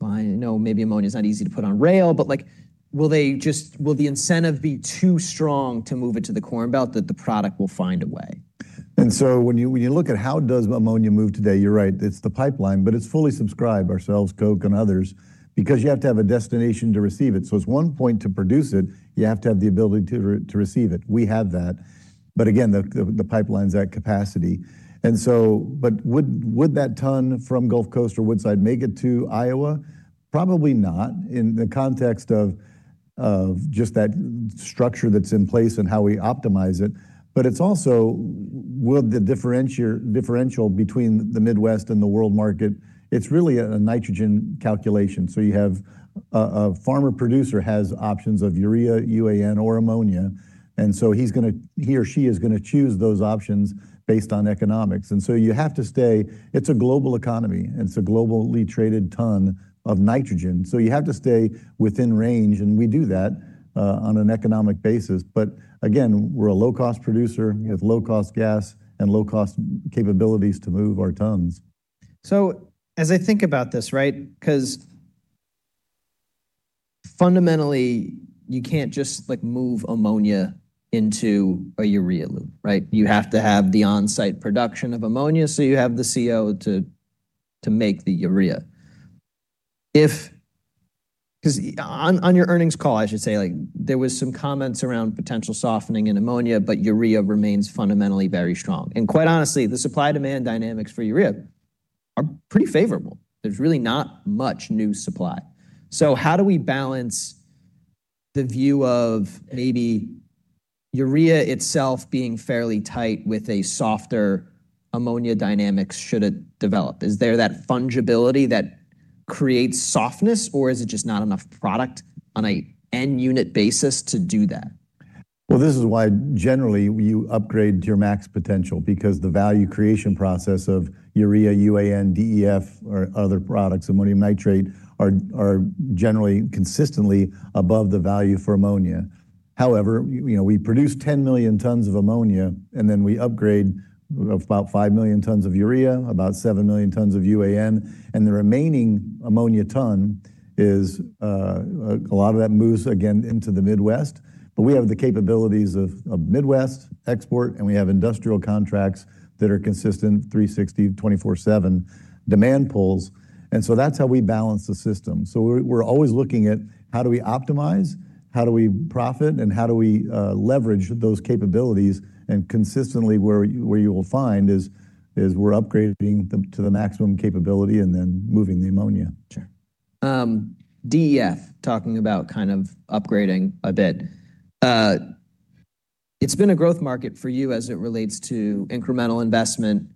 Well, I know maybe ammonia is not easy to put on rail, but like, will the incentive be too strong to move it to the Corn Belt, that the product will find a way? When you look at how does ammonia move today, you're right, it's the pipeline, but it's fully subscribed, ourselves, Koch and others, because you have to have a destination to receive it. It's 1 point to produce it, you have to have the ability to receive it, we have that. The pipeline's at capacity. Would that ton from Gulf Coast or Woodside make it to Iowa? Probably not, in the context of just that structure that's in place and how we optimize it. It's also, would the differential between the Midwest and the world market, it's really a nitrogen calculation. You have a farmer producer has options of urea, UAN or ammonia, he or she is gonna choose those options based on economics. You have to stay. It's a global economy, and it's a globally traded ton of nitrogen, so you have to stay within range, and we do that, on an economic basis. Again, we're a low-cost producer. We have low-cost gas and low-cost capabilities to move our tons. As I think about this, right? Because fundamentally, you can't just, like, move ammonia into a urea loop, right? You have to have the on-site production of ammonia, so you have the CO to make the urea. Because on your earnings call, I should say, like, there was some comments around potential softening in ammonia, but urea remains fundamentally very strong. Quite honestly, the supply-demand dynamics for urea are pretty favorable. There's really not much new supply. How do we balance the view of maybe urea itself being fairly tight with a softer ammonia dynamic should it develop? Is there that fungibility that creates softness, or is it just not enough product on a end unit basis to do that? This is why generally you upgrade to your max potential, because the value creation process of urea, UAN, DEF or other products, ammonium nitrate, are generally consistently above the value for ammonia. However, you know, we produce 10 million tons of ammonia, and then we upgrade about 5 million tons of urea, about 7 million tons of UAN, and the remaining ammonia ton is a lot of that moves again into the Midwest. We have the capabilities of Midwest export, and we have industrial contracts that are consistent, 360, 24/7 demand pulls. That's how we balance the system. We're always looking at how do we optimize, how do we profit, and how do we leverage those capabilities? Consistently, where you will find is we're upgrading them to the maximum capability and then moving the ammonia. Sure. DEF, talking about kind of upgrading a bit. It's been a growth market for you as it relates to incremental investment.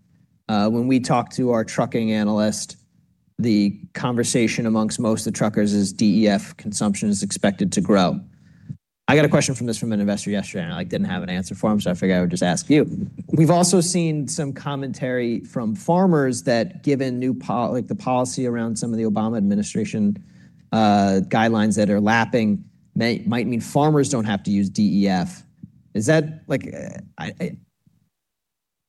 When we talk to our trucking analyst, the conversation amongst most of the truckers is DEF consumption is expected to grow. I got a question from this, from an investor yesterday, and I didn't have an answer for him, so I figured I would just ask you. We've also seen some commentary from farmers that given new policy around some of the Obama administration guidelines that are lapping, might mean farmers don't have to use DEF. Is that? Like, I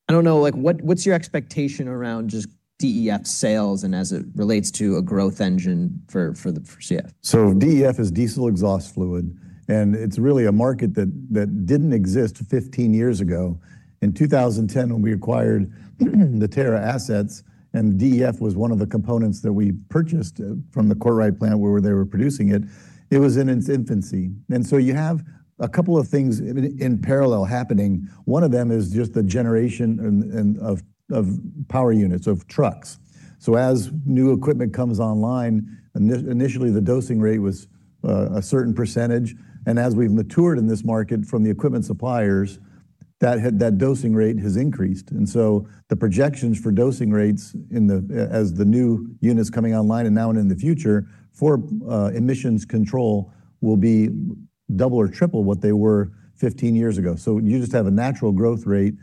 don't know, what's your expectation around just DEF sales and as it relates to a growth engine for CF? DEF is diesel exhaust fluid, and it's really a market that didn't exist 15 years ago. In 2010, when we acquired the Terra assets, DEF was one of the components that we purchased from the Courtright plant where they were producing it was in its infancy. You have a couple of things in parallel happening. One of them is just the generation and of power units, of trucks. As new equipment comes online, initially, the dosing rate was a certain percentage. As we've matured in this market from the equipment suppliers, that dosing rate has increased. The projections for dosing rates in the as the new units coming online and now and in the future for emissions control will be double or triple what they were 15 years ago. You just have a natural growth rate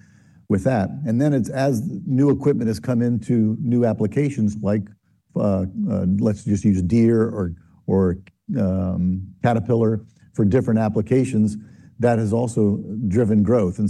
with that. Then it's as new equipment has come into new applications, like, let's just use Deere or Caterpillar for different applications, that has also driven growth.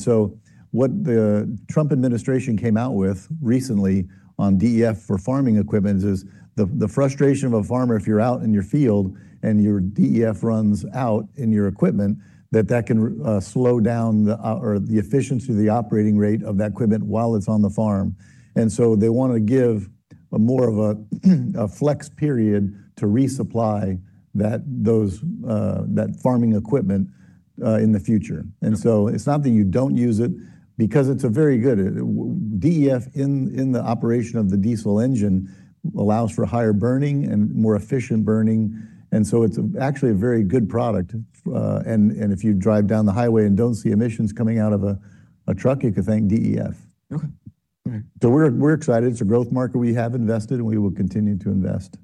What the Trump administration came out with recently on DEF for farming equipment is the frustration of a farmer if you're out in your field and your DEF runs out in your equipment, that that can slow down the or the efficiency of the operating rate of that equipment while it's on the farm. They want to give a more of a flex period to resupply that those that farming equipment in the future. It's not that you don't use it, because it's a very good DEF in the operation of the diesel engine allows for higher burning and more efficient burning, and so it's actually a very good product. And if you drive down the highway and don't see emissions coming out of a truck, you can thank DEF. Okay. All right. We're excited. It's a growth market. We have invested, and we will continue to invest.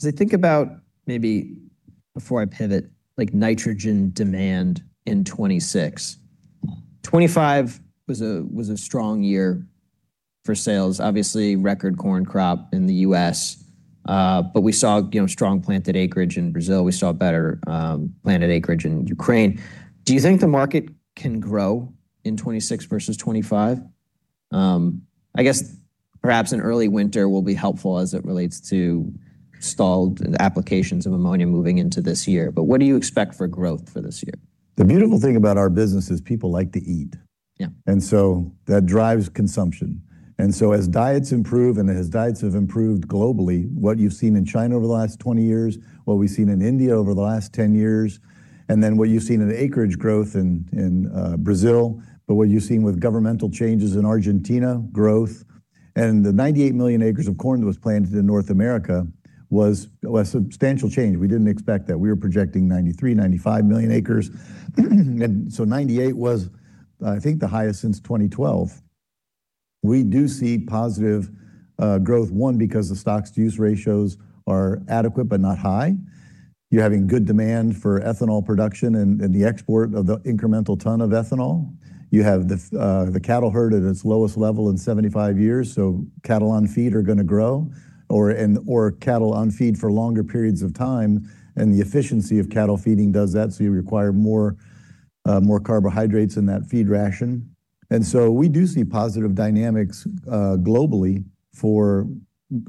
As I think about maybe before I pivot, like nitrogen demand in 2026. 2025 was a strong year for sales. Obviously, record corn crop in the U.S., but we saw, you know, strong planted acreage in Brazil. We saw better planted acreage in Ukraine. Do you think the market can grow in 2026 versus 2025? I guess perhaps an early winter will be helpful as it relates to stalled applications of ammonia moving into this year. What do you expect for growth for this year? The beautiful thing about our business is people like to eat. Yeah. That drives consumption. As diets improve and as diets have improved globally, what you've seen in China over the last 20 years, what we've seen in India over the last 10 years, and then what you've seen in acreage growth in Brazil, but what you've seen with governmental changes in Argentina, growth. The 98 million acres of corn that was planted in North America was a substantial change. We didn't expect that. We were projecting 93 million-95 million acres. 98 was, I think, the highest since 2012. We do see positive growth, one, because the stocks-to-use ratios are adequate but not high. You're having good demand for ethanol production and the export of the incremental ton of ethanol. You have the cattle herd at its lowest level in 75 years, so cattle on feed are gonna grow, or cattle on feed for longer periods of time, and the efficiency of cattle feeding does that, so you require more, more carbohydrates in that feed ration. We do see positive dynamics, globally for,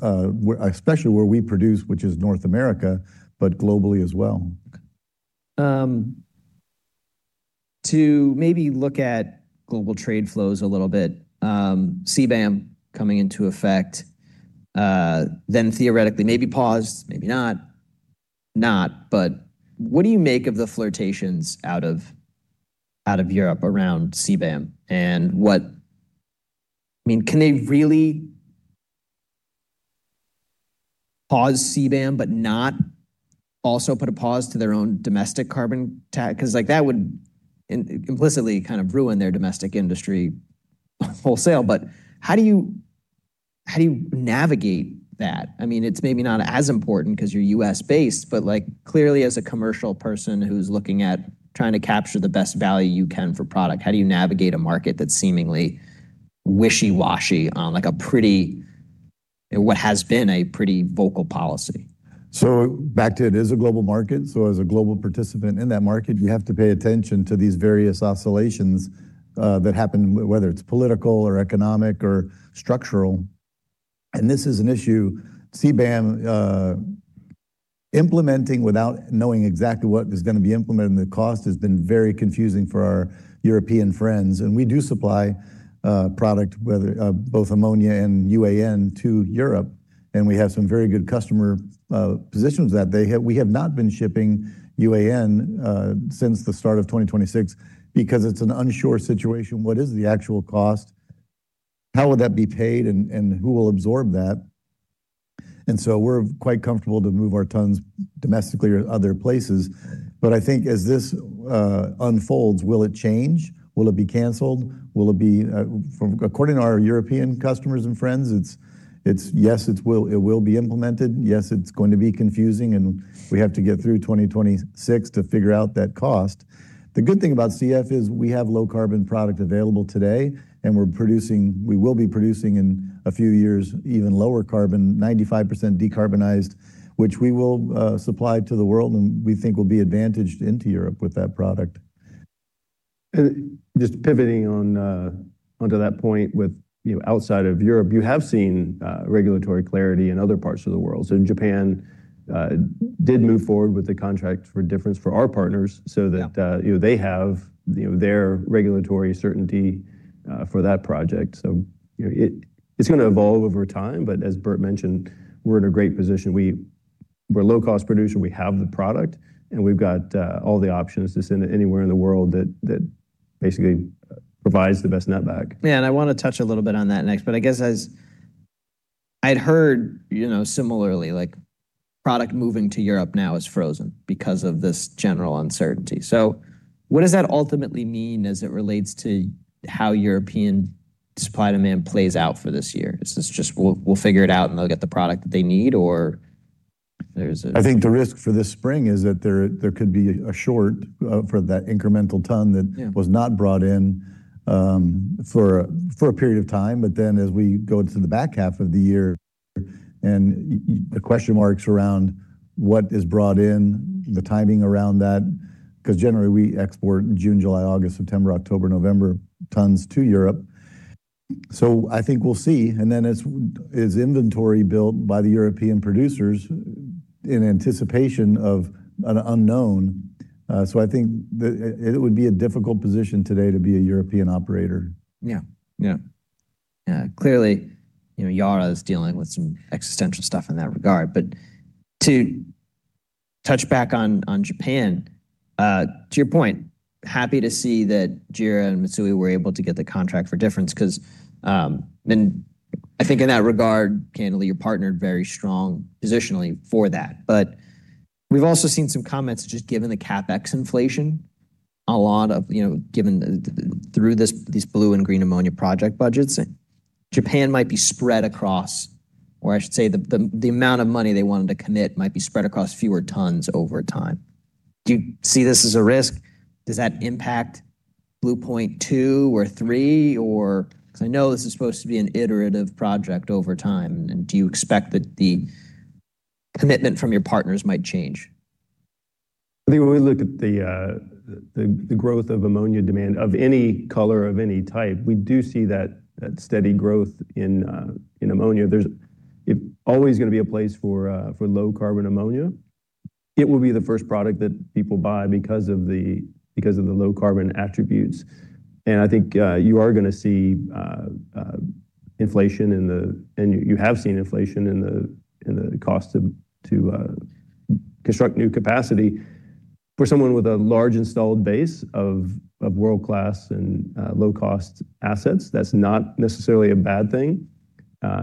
especially where we produce, which is North America, but globally as well. To maybe look at global trade flows a little bit, CBAM coming into effect, then theoretically, maybe paused, maybe not. What do you make of the flirtations out of Europe around CBAM? I mean, can they really pause CBAM but not also put a pause to their own domestic carbon tax? Like, that would implicitly kind of ruin their domestic industry wholesale. How do you navigate that? I mean, it's maybe not as important 'cause you're U.S.-based, but like, clearly, as a commercial person who's looking at trying to capture the best value you can for product, how do you navigate a market that's seemingly wishy-washy on, like, a pretty, what has been a pretty vocal policy? Back to it is a global market. As a global participant in that market, you have to pay attention to these various oscillations that happen, whether it's political or economic or structural. This is an issue, CBAM, implementing without knowing exactly what is gonna be implemented, and the cost has been very confusing for our European friends. We do supply product, whether both ammonia and UAN to Europe, and we have some very good customer positions that we have not been shipping UAN since the start of 2026 because it's an unsure situation. What is the actual cost? How would that be paid, and who will absorb that? We're quite comfortable to move our tons domestically or other places. I think as this unfolds, will it change? Will it be canceled? Will it be? According to our European customers and friends, it's yes, it will be implemented. Yes, it's going to be confusing, and we have to get through 2026 to figure out that cost. The good thing about CF is we have low carbon product available today, and we will be producing in a few years, even lower carbon, 95% decarbonized, which we will supply to the world and we think will be advantaged into Europe with that product. Just pivoting on, onto that point with, you know, outside of Europe, you have seen regulatory clarity in other parts of the world. Japan did move forward with the contract for difference for our partners... Yeah... so that, you know, they have, you know, their regulatory certainty for that project. You know, it's gonna evolve over time, but as Bert mentioned, we're in a great position. We're a low-cost producer, we have the product, and we've got all the options to send it anywhere in the world that basically provides the best netback. I wanna touch a little bit on that next, but I guess I'd heard, you know, similarly, like product moving to Europe now is frozen because of this general uncertainty. What does that ultimately mean as it relates to how European supply and demand plays out for this year? Is this just, "We'll figure it out, and they'll get the product that they need? I think the risk for this spring is that there could be a short for that incremental ton. Yeah was not brought in, for a, for a period of time. As we go to the back half of the year and the question marks around what is brought in, the timing around that, because generally we export in June, July, August, September, October, November tons to Europe. I think we'll see. As inventory built by the European producers in anticipation of an unknown. I think that it would be a difficult position today to be a European operator. Yeah. Yeah. Yeah, clearly, you know, Yara is dealing with some existential stuff in that regard. To touch back on Japan, to your point, happy to see that JERA and Mitsui were able to get the contract for difference, because, and I think in that regard, candidly, you're partnered very strong positionally for that. We've also seen some comments, just given the CapEx inflation, a lot of, you know, given through this, these blue and green ammonia project budgets, Japan might be spread across, or I should say, the, the amount of money they wanted to commit might be spread across fewer tons over time. Do you see this as a risk? Does that impact Blue Point two or three, or... Because I know this is supposed to be an iterative project over time, and do you expect that the commitment from your partners might change? I think when we look at the growth of ammonia demand, of any color, of any type, we do see that steady growth in ammonia. It always gonna be a place for low carbon ammonia. It will be the first product that people buy because of the low carbon attributes. I think you are gonna see inflation in the cost to construct new capacity. For someone with a large installed base of world-class and low-cost assets, that's not necessarily a bad thing.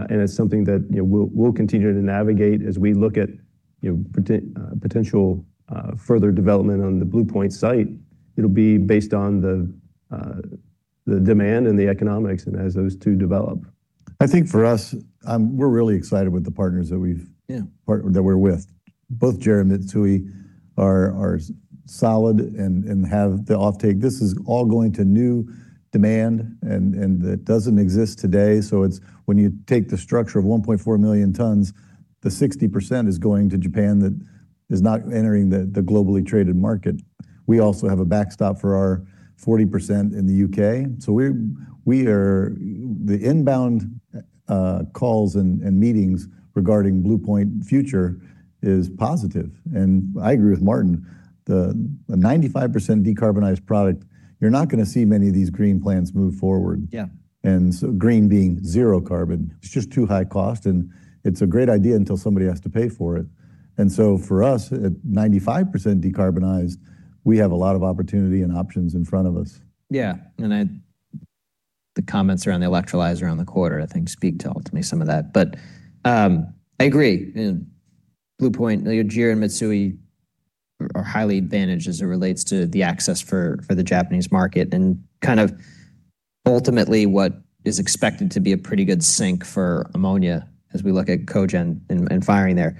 It's something that, you know, we'll continue to navigate as we look at, you know, potential further development on the Blue Point site. It'll be based on the demand and the economics, and as those two develop. I think for us, we're really excited with the partners that we've-. Yeah... part, that we're with. Both JERA and Mitsui are solid and have the offtake. This is all going to new demand, and that doesn't exist today. It's when you take the structure of 1.4 million tons, the 60% is going to Japan, that is not entering the globally traded market. We also have a backstop for our 40% in the U.K. We are. The inbound calls and meetings regarding Blue Point future is positive. I agree with Martin, the 95% decarbonized product, you're not gonna see many of these green plants move forward. Yeah. Green being zero carbon, it's just too high cost, and it's a great idea until somebody has to pay for it. For us, at 95% decarbonized, we have a lot of opportunity and options in front of us. The comments around the electrolyzer on the quarter, I think, speak to ultimately some of that. I agree. You know, Blue Point, JERA, and Mitsui are highly advantaged as it relates to the access for the Japanese market and kind of ultimately what is expected to be a pretty good sync for ammonia as we look at cogen and firing there.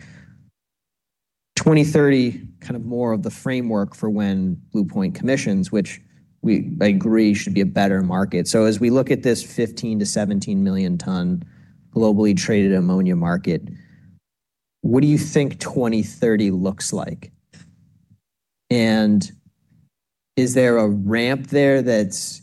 2030, kind of more of the framework for when Blue Point commissions, which we, I agree, should be a better market. As we look at this 15 million-17 million tons globally traded ammonia market, what do you think 2030 looks like? Is there a ramp there that's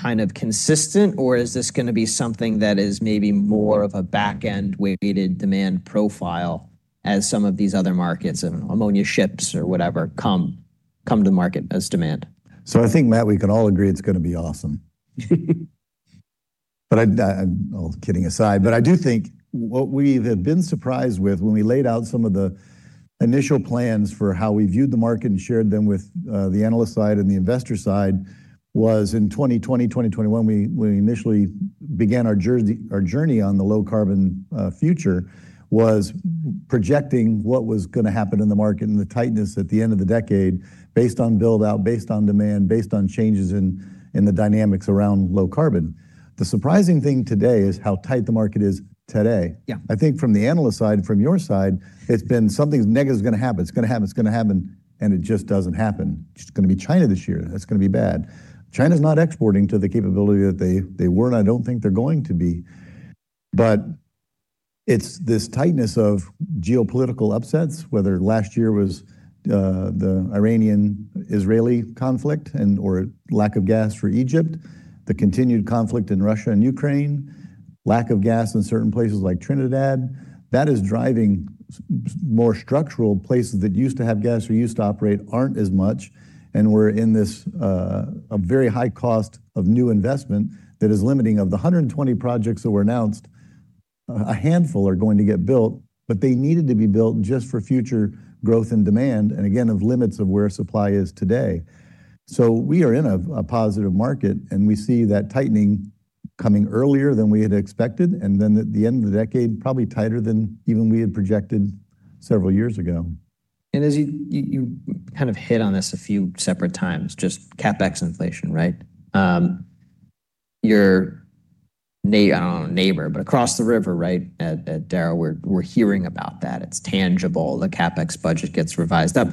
kind of consistent, or is this gonna be something that is maybe more of a back-end-weighted demand profile as some of these other markets and ammonia ships or whatever, come to market as demand? I think, Matt, we can all agree it's gonna be awesome. All kidding aside, I do think what we have been surprised with when we laid out some of the initial plans for how we viewed the market and shared them with the analyst side and the investor side, was in 2020, 2021, we initially began our journey on the low carbon future, was projecting what was gonna happen in the market and the tightness at the end of the decade based on build-out, based on demand, based on changes in the dynamics around low carbon. The surprising thing today is how tight the market is today. Yeah. I think from the analyst side, from your side, it's been something negative is gonna happen. It's gonna happen, it's gonna happen, and it just doesn't happen. It's just gonna be China this year, and it's gonna be bad. China's not exporting to the capability that they were, and I don't think they're going to be. But it's this tightness of geopolitical upsets, whether last year was the Iranian-Israeli conflict and, or lack of gas for Egypt, the continued conflict in Russia and Ukraine, lack of gas in certain places like Trinidad, that is driving more structural places that used to have gas or used to operate aren't as much, and we're in this a very high cost of new investment that is limiting. Of the 120 projects that were announced, a handful are going to get built. They needed to be built just for future growth and demand, and again, of limits of where supply is today. We are in a positive market, we see that tightening coming earlier than we had expected. At the end of the decade, probably tighter than even we had projected several years ago. As you kind of hit on this a few separate times, just CapEx inflation, right? Your I don't know, neighbor, but across the river, right, at Donaldsonville, we're hearing about that. It's tangible. The CapEx budget gets revised up.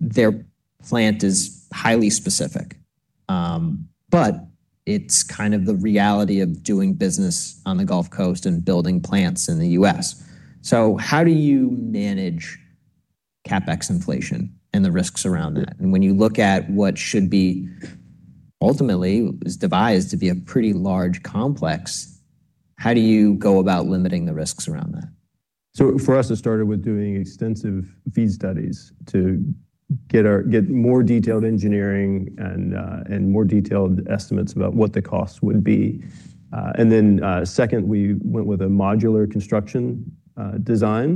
Their plant is highly specific, but it's kind of the reality of doing business on the Gulf Coast and building plants in the U.S. How do you manage CapEx inflation and the risks around that? When you look at what should be ultimately, was devised to be a pretty large complex, how do you go about limiting the risks around that? For us, it started with doing extensive feed studies to get more detailed engineering and more detailed estimates about what the cost would be. Then, second, we went with a modular construction design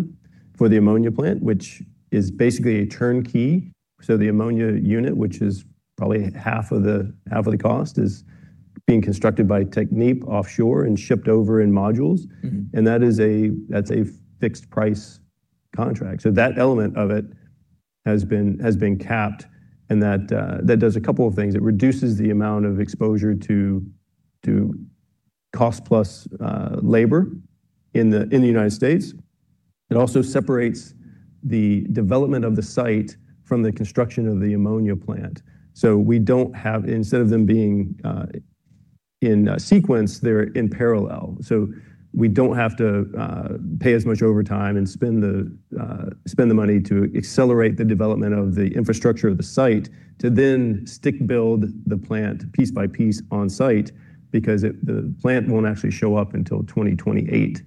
for the ammonia plant, which is basically a turnkey. The ammonia unit, which is probably half of the, half of the cost, is being constructed by Technip Offshore and shipped over in modules. Mm-hmm. That's a fixed price contract. That element of it has been capped, That does a couple of things. It reduces the amount of exposure to cost plus labor in the United States. It also separates the development of the site from the construction of the ammonia plant. Instead of them being in sequence, they're in parallel. We don't have to pay as much overtime and spend the money to accelerate the development of the infrastructure of the site, to then stick build the plant piece by piece on site, because the plant won't actually show up until 2028.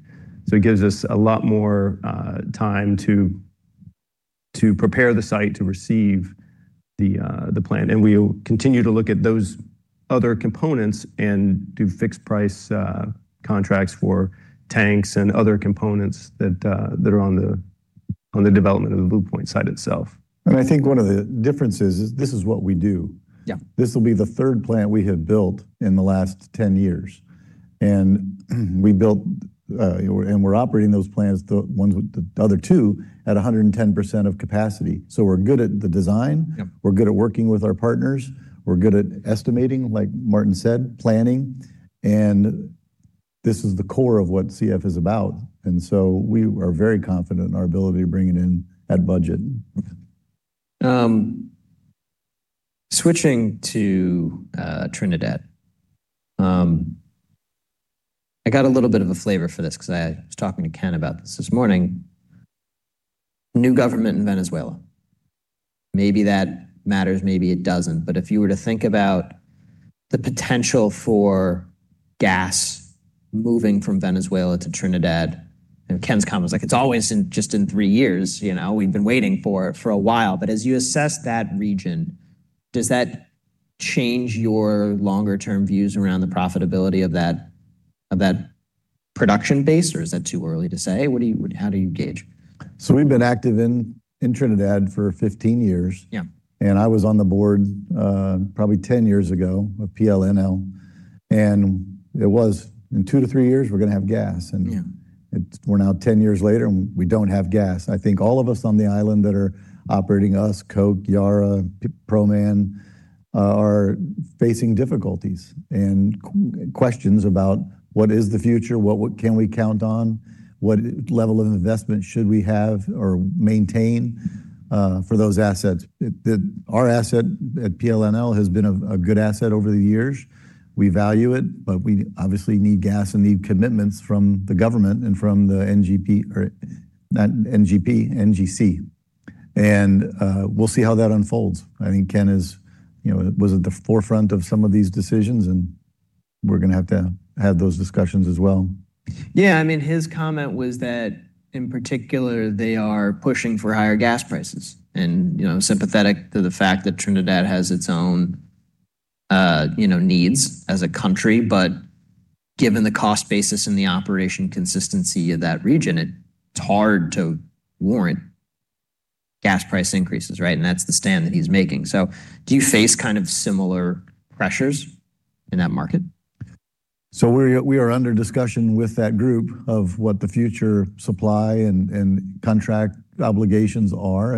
It gives us a lot more time to prepare the site to receive the plant. We'll continue to look at those other components and do fixed price, contracts for tanks and other components that are on the, on the development of the Blue Point site itself. I think one of the differences is this is what we do. Yeah. This will be the third plant we have built in the last 10 years. We built, and we're operating those plants, the ones, the other two, at 110% of capacity. We're good at the design-. Yep. We're good at working with our partners. We're good at estimating, like Martin said, planning. This is the core of what CF is about. We are very confident in our ability to bring it in at budget. Switching to Trinidad. I got a little bit of a flavor for this because I was talking to Ken about this this morning. New government in Venezuela. Maybe that matters, maybe it doesn't. If you were to think about the potential for gas moving from Venezuela to Trinidad, and Ken's comment was like, "It's always in just in three years, you know, we've been waiting for it for a while." As you assess that region, does that change your longer-term views around the profitability of that, of that production base, or is that too early to say? How do you gauge? We've been active in Trinidad for 15 years. Yeah. I was on the board, probably 10 years ago, of PLNL, and it was, "In two years-three years, we're gonna have gas. Yeah. We're now 10 years later, we don't have gas. I think all of us on the island that are operating, us, Koch, Yara, Proman, are facing difficulties and questions about what is the future, what can we count on, what level of investment should we have or maintain for those assets? Our asset at PLNL has been a good asset over the years. We value it, but we obviously need gas and need commitments from the government and from the NGP, or not NGP, NGC. We'll see how that unfolds. I think Ken is, you know, was at the forefront of some of these decisions, and we're gonna have to have those discussions as well. Yeah, I mean, his comment was that in particular, they are pushing for higher gas prices and, you know, sympathetic to the fact that Trinidad has its own, you know, needs as a country. Given the cost basis and the operation consistency of that region, it's hard to warrant gas price increases, right? That's the stand that he's making. Do you face kind of similar pressures in that market? We are under discussion with that group of what the future supply and contract obligations are,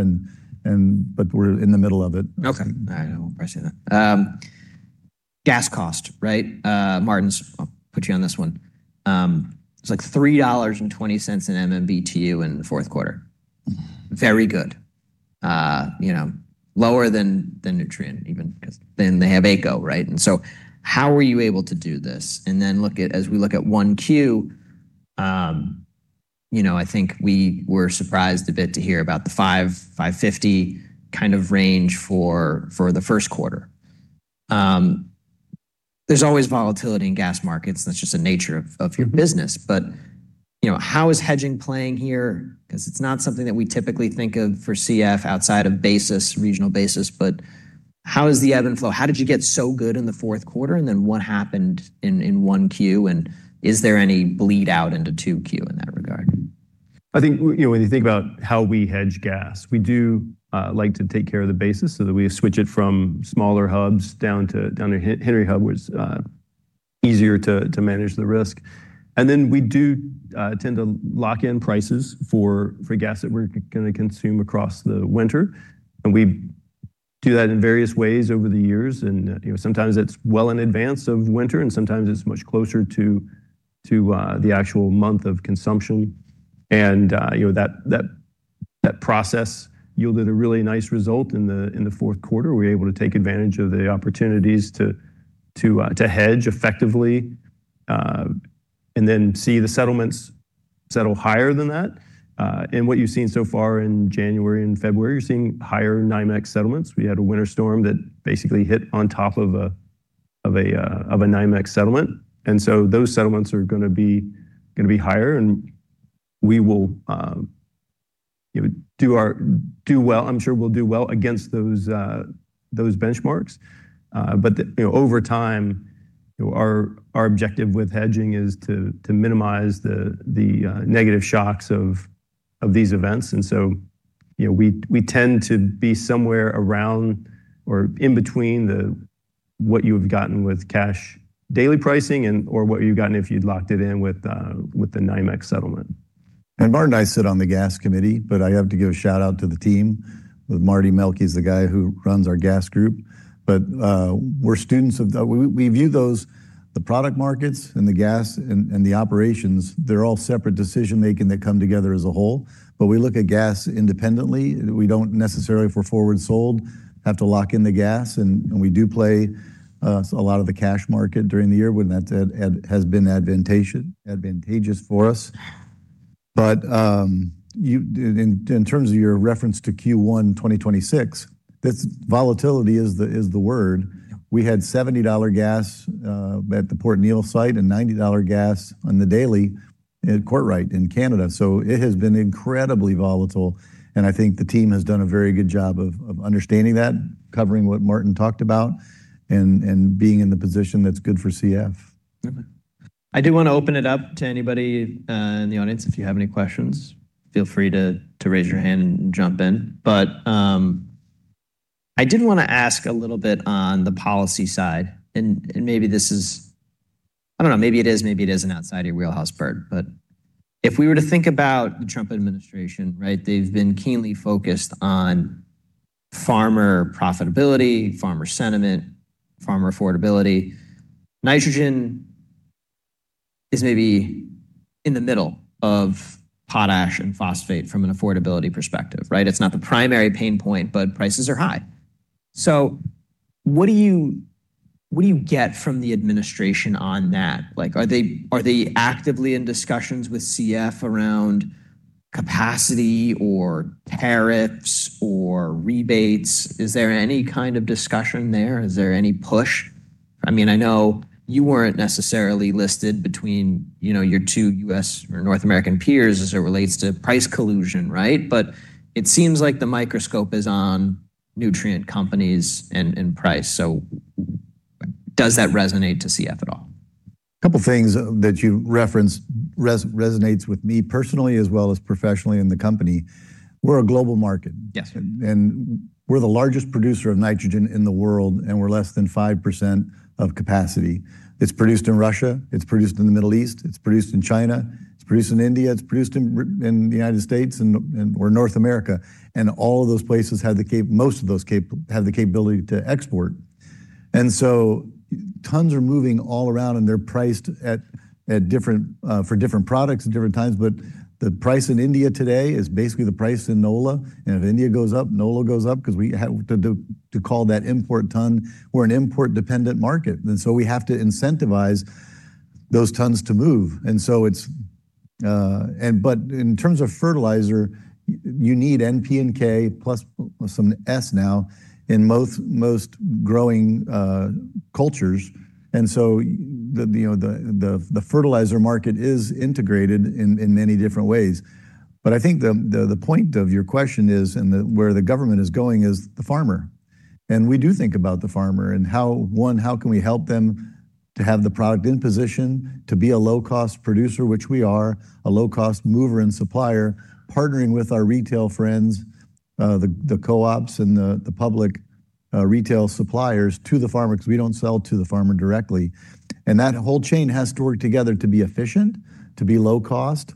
but we're in the middle of it. Okay. I appreciate that. Gas cost, right? Martin, I'll put you on this one. It's like $3.20 in MMBTU in the fourth quarter. Very good. You know, lower than Nutrien, even because then they have AECO, right? How were you able to do this? Look at, as we look at 1Q, you know, I think we were surprised a bit to hear about the $5.50 kind of range for the first quarter. There's always volatility in gas markets, that's just the nature of your business. You know, how is hedging playing here? Because it's not something that we typically think of for CF outside of basis, regional basis, but how is the ebb and flow? How did you get so good in the fourth quarter, and then what happened in 1Q, and is there any bleed out into 2Q in that regard? I think, you know, when you think about how we hedge gas, we do, like to take care of the basis so that we switch it from smaller hubs down to, down to Henry Hub, which. easier to manage the risk. Then we do tend to lock in prices for gas that we're gonna consume across the winter, and we do that in various ways over the years. You know, sometimes it's well in advance of winter, and sometimes it's much closer to the actual month of consumption. You know, that process yielded a really nice result in the fourth quarter. We were able to take advantage of the opportunities to hedge effectively, and then see the settlements settle higher than that. What you've seen so far in January and February, you're seeing higher NYMEX settlements. We had a winter storm that basically hit on top of a NYMEX settlement. Those settlements are gonna be higher, and we will, you know, do well. I'm sure we'll do well against those benchmarks. You know, over time, our objective with hedging is to minimize the negative shocks of these events. You know, we tend to be somewhere around or in between the what you've gotten with cash daily pricing and, or what you've gotten if you'd locked it in with the NYMEX settlement. Martin and I sit on the gas committee, I have to give a shout-out to the team, with Marty Melke, he's the guy who runs our gas group. We're students of the... We view those, the product markets and the gas and the operations, they're all separate decision-making that come together as a whole. We look at gas independently. We don't necessarily, if we're forward sold, have to lock in the gas, and we do play a lot of the cash market during the year when that has been advantageous for us. You, in terms of your reference to Q1 2026, this volatility is the word. Yeah. We had $70 gas at the Port Neal site and $90 gas on the daily at Courtright in Canada. It has been incredibly volatile, and I think the team has done a very good job of understanding that, covering what Martin talked about, and being in the position that's good for CF. Okay. I do wanna open it up to anybody in the audience. If you have any questions, feel free to raise your hand and jump in. I did wanna ask a little bit on the policy side, and maybe this is... I don't know, maybe it is, maybe it isn't outside your wheelhouse, Bert, but if we were to think about the Trump administration, right? They've been keenly focused on farmer profitability, farmer sentiment, farmer affordability. Nitrogen is maybe in the middle of potash and phosphate from an affordability perspective, right? It's not the primary pain point, but prices are high. What do you, what do you get from the administration on that? Like, are they, are they actively in discussions with CF around capacity or tariffs or rebates? Is there any kind of discussion there? Is there any push? I mean, I know you weren't necessarily listed between, you know, your two U.S. or North American peers as it relates to price collusion, right? It seems like the microscope is on nutrient companies and price. Does that resonate to CF at all? A couple things that you referenced resonates with me personally as well as professionally in the company. We're a global market. Yes. We're the largest producer of nitrogen in the world, and we're less than 5% of capacity. It's produced in Russia, it's produced in the Middle East, it's produced in China, it's produced in India, it's produced in the United States or North America, and most of those have the capability to export. Tons are moving all around, and they're priced at different for different products at different times. The price in India today is basically the price in NOLA, and if India goes up, NOLA goes up because we have to call that import ton. We're an import-dependent market, we have to incentivize those tons to move. It's. In terms of fertilizer, you need N, P, and K, plus some S now in most growing cultures. The, you know, the, the fertilizer market is integrated in many different ways. I think the, the point of your question is, and the where the government is going, is the farmer. We do think about the farmer and how, one, how can we help them to have the product in position to be a low-cost producer, which we are, a low-cost mover and supplier, partnering with our retail friends, the co-ops and the public retail suppliers to the farmer, because we don't sell to the farmer directly. That whole chain has to work together to be efficient, to be low cost,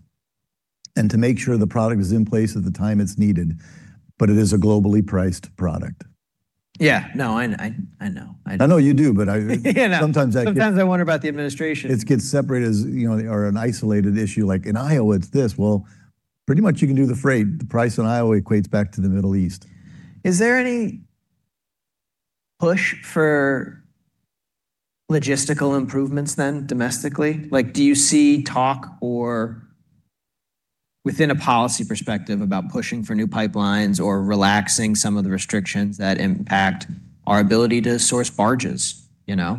and to make sure the product is in place at the time it's needed, but it is a globally priced product. Yeah. No, I know. I know. I know. I know you do, but I- Yeah. Sometimes Sometimes I wonder about the administration. It gets separated as, you know, or an isolated issue, like in Iowa, it's this. Well, pretty much you can do the freight. The price in Iowa equates back to the Middle East. Is there any push for logistical improvements then domestically? Like, do you see talk or within a policy perspective about pushing for new pipelines or relaxing some of the restrictions that impact our ability to source barges, you know?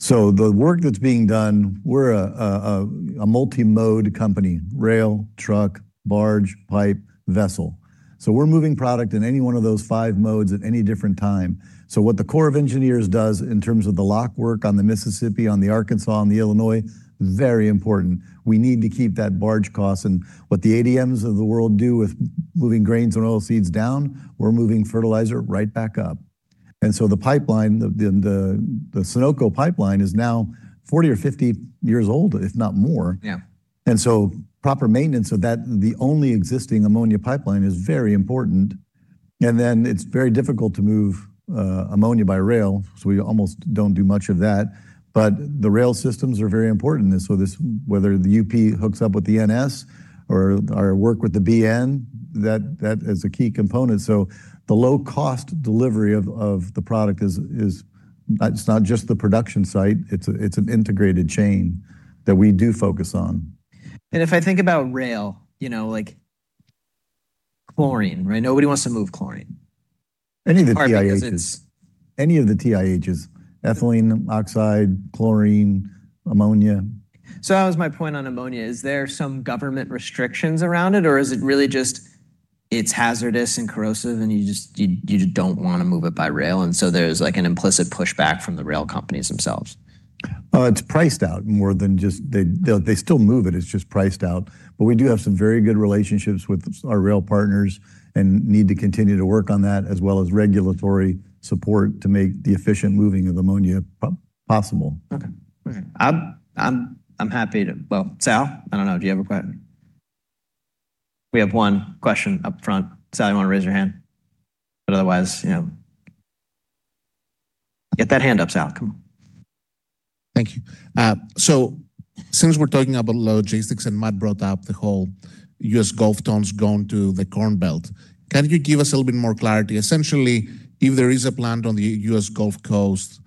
The work that's being done, we're a multi-mode company: rail, truck, barge, pipe, vessel. We're moving product in any one of those five modes at any different time. What the Corps of Engineers does in terms of the lock work on the Mississippi, on the Arkansas, on the Illinois, very important. We need to keep that barge cost and what the ADMs of the world do with moving grains and oilseeds down, we're moving fertilizer right back up. The pipeline, the Sunoco pipeline is now 40 or 50 years old, if not more. Yeah. Proper maintenance of that, the only existing ammonia pipeline, is very important. It's very difficult to move ammonia by rail, so we almost don't do much of that. The rail systems are very important in this. This, whether the UP hooks up with the NS or work with the BN, that is a key component. The low cost delivery of the product is it's not just the production site, it's an integrated chain that we do focus on. If I think about rail, you know, like chlorine, right? Nobody wants to move chlorine. Any of the TIHs. Partly because it's... Any of the TIHs, ethylene oxide, chlorine, ammonia. That was my point on ammonia. Is there some government restrictions around it, or is it really just it's hazardous and corrosive, and you just, you don't want to move it by rail, and so there's, like, an implicit pushback from the rail companies themselves? Well, it's priced out more than just... They still move it's just priced out. We do have some very good relationships with our rail partners and need to continue to work on that, as well as regulatory support to make the efficient moving of ammonia possible. Okay. Okay. I'm happy to... Well, Sal, I don't know, do you have a question? We have one question up front. Sal, you want to raise your hand? Otherwise, you know. Get that hand up, Sal. Come on. Thank you. Since we're talking about logistics, and Matt brought up the whole US Gulf tons going to the Corn Belt, can you give us a little bit more clarity? Essentially, if there is a plant on the US Gulf Coast,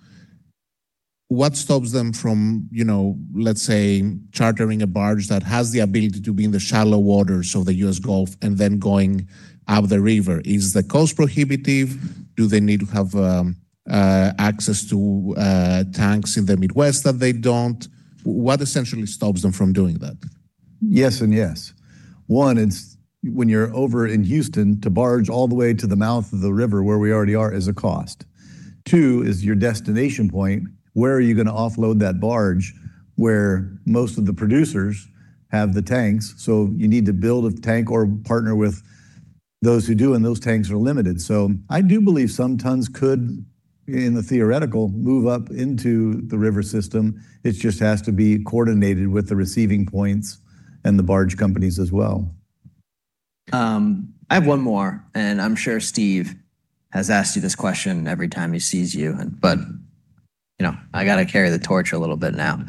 what stops them from, you know, let's say, chartering a barge that has the ability to be in the shallow waters of the US Gulf and then going up the river? Is the cost prohibitive? Do they need to have access to tanks in the Midwest that they don't? What essentially stops them from doing that? Yes and yes. One, it's when you're over in Houston, to barge all the way to the mouth of the river where we already are, is a cost. Two, is your destination point. Where are you going to offload that barge, where most of the producers have the tanks? You need to build a tank or partner with those who do, and those tanks are limited. I do believe some tons could, in the theoretical, move up into the river system. It just has to be coordinated with the receiving points and the barge companies as well. I have one more. I'm sure Steve has asked you this question every time he sees you. You know, I gotta carry the torch a little bit now.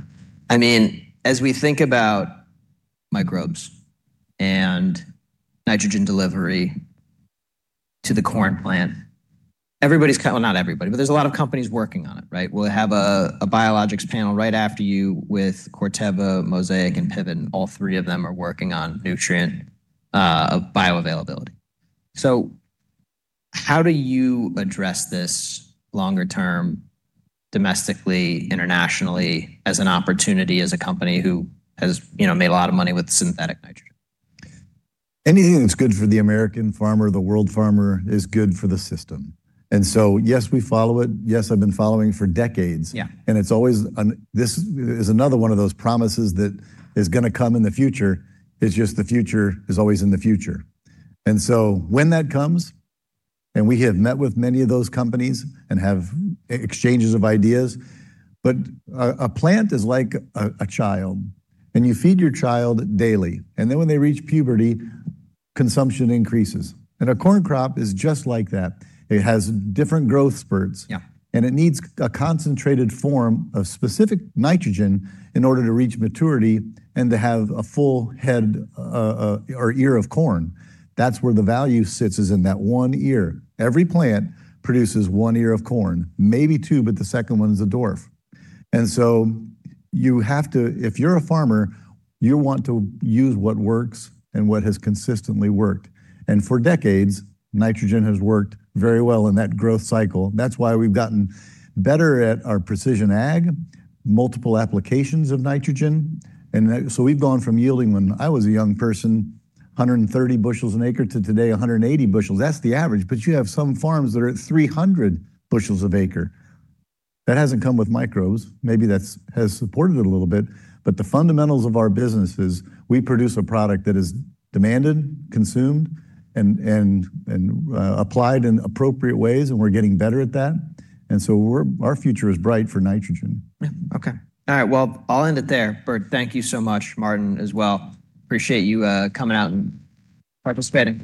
I mean, as we think about microbes and nitrogen delivery to the corn plant, everybody's kind of well, not everybody, but there's a lot of companies working on it, right? We'll have a biologics panel right after you with Corteva, Mosaic, and Pivot. All three of them are working on nutrient bioavailability. How do you address this longer term, domestically, internationally, as an opportunity, as a company who has, you know, made a lot of money with synthetic nitrogen? Anything that's good for the American farmer, the world farmer, is good for the system. Yes, we follow it. Yes, I've been following for decades. Yeah. It's always this is another one of those promises that is gonna come in the future, it's just the future is always in the future. When that comes, and we have met with many of those companies and have exchanges of ideas, but a plant is like a child, and you feed your child daily, and then when they reach puberty, consumption increases. A corn crop is just like that. It has different growth spurts. Yeah... and it needs a concentrated form of specific nitrogen in order to reach maturity and to have a full head, or ear of corn. That's where the value sits, is in that 1 ear. Every plant produces 1 ear of corn, maybe 2, but the second one is a dwarf. If you're a farmer, you want to use what works and what has consistently worked. For decades, nitrogen has worked very well in that growth cycle. That's why we've gotten better at our precision ag, multiple applications of nitrogen. We've gone from yielding, when I was a young person, 130 bushels an acre to today, 180 bushels. That's the average, but you have some farms that are at 300 bushels of acre. That hasn't come with microbes. Maybe that's has supported it a little bit, the fundamentals of our business is we produce a product that is demanded, consumed, and applied in appropriate ways, and we're getting better at that. Our future is bright for nitrogen. Yeah. Okay. All right, well, I'll end it there. Bert, thank you so much, Martin as well. Appreciate you coming out and participating.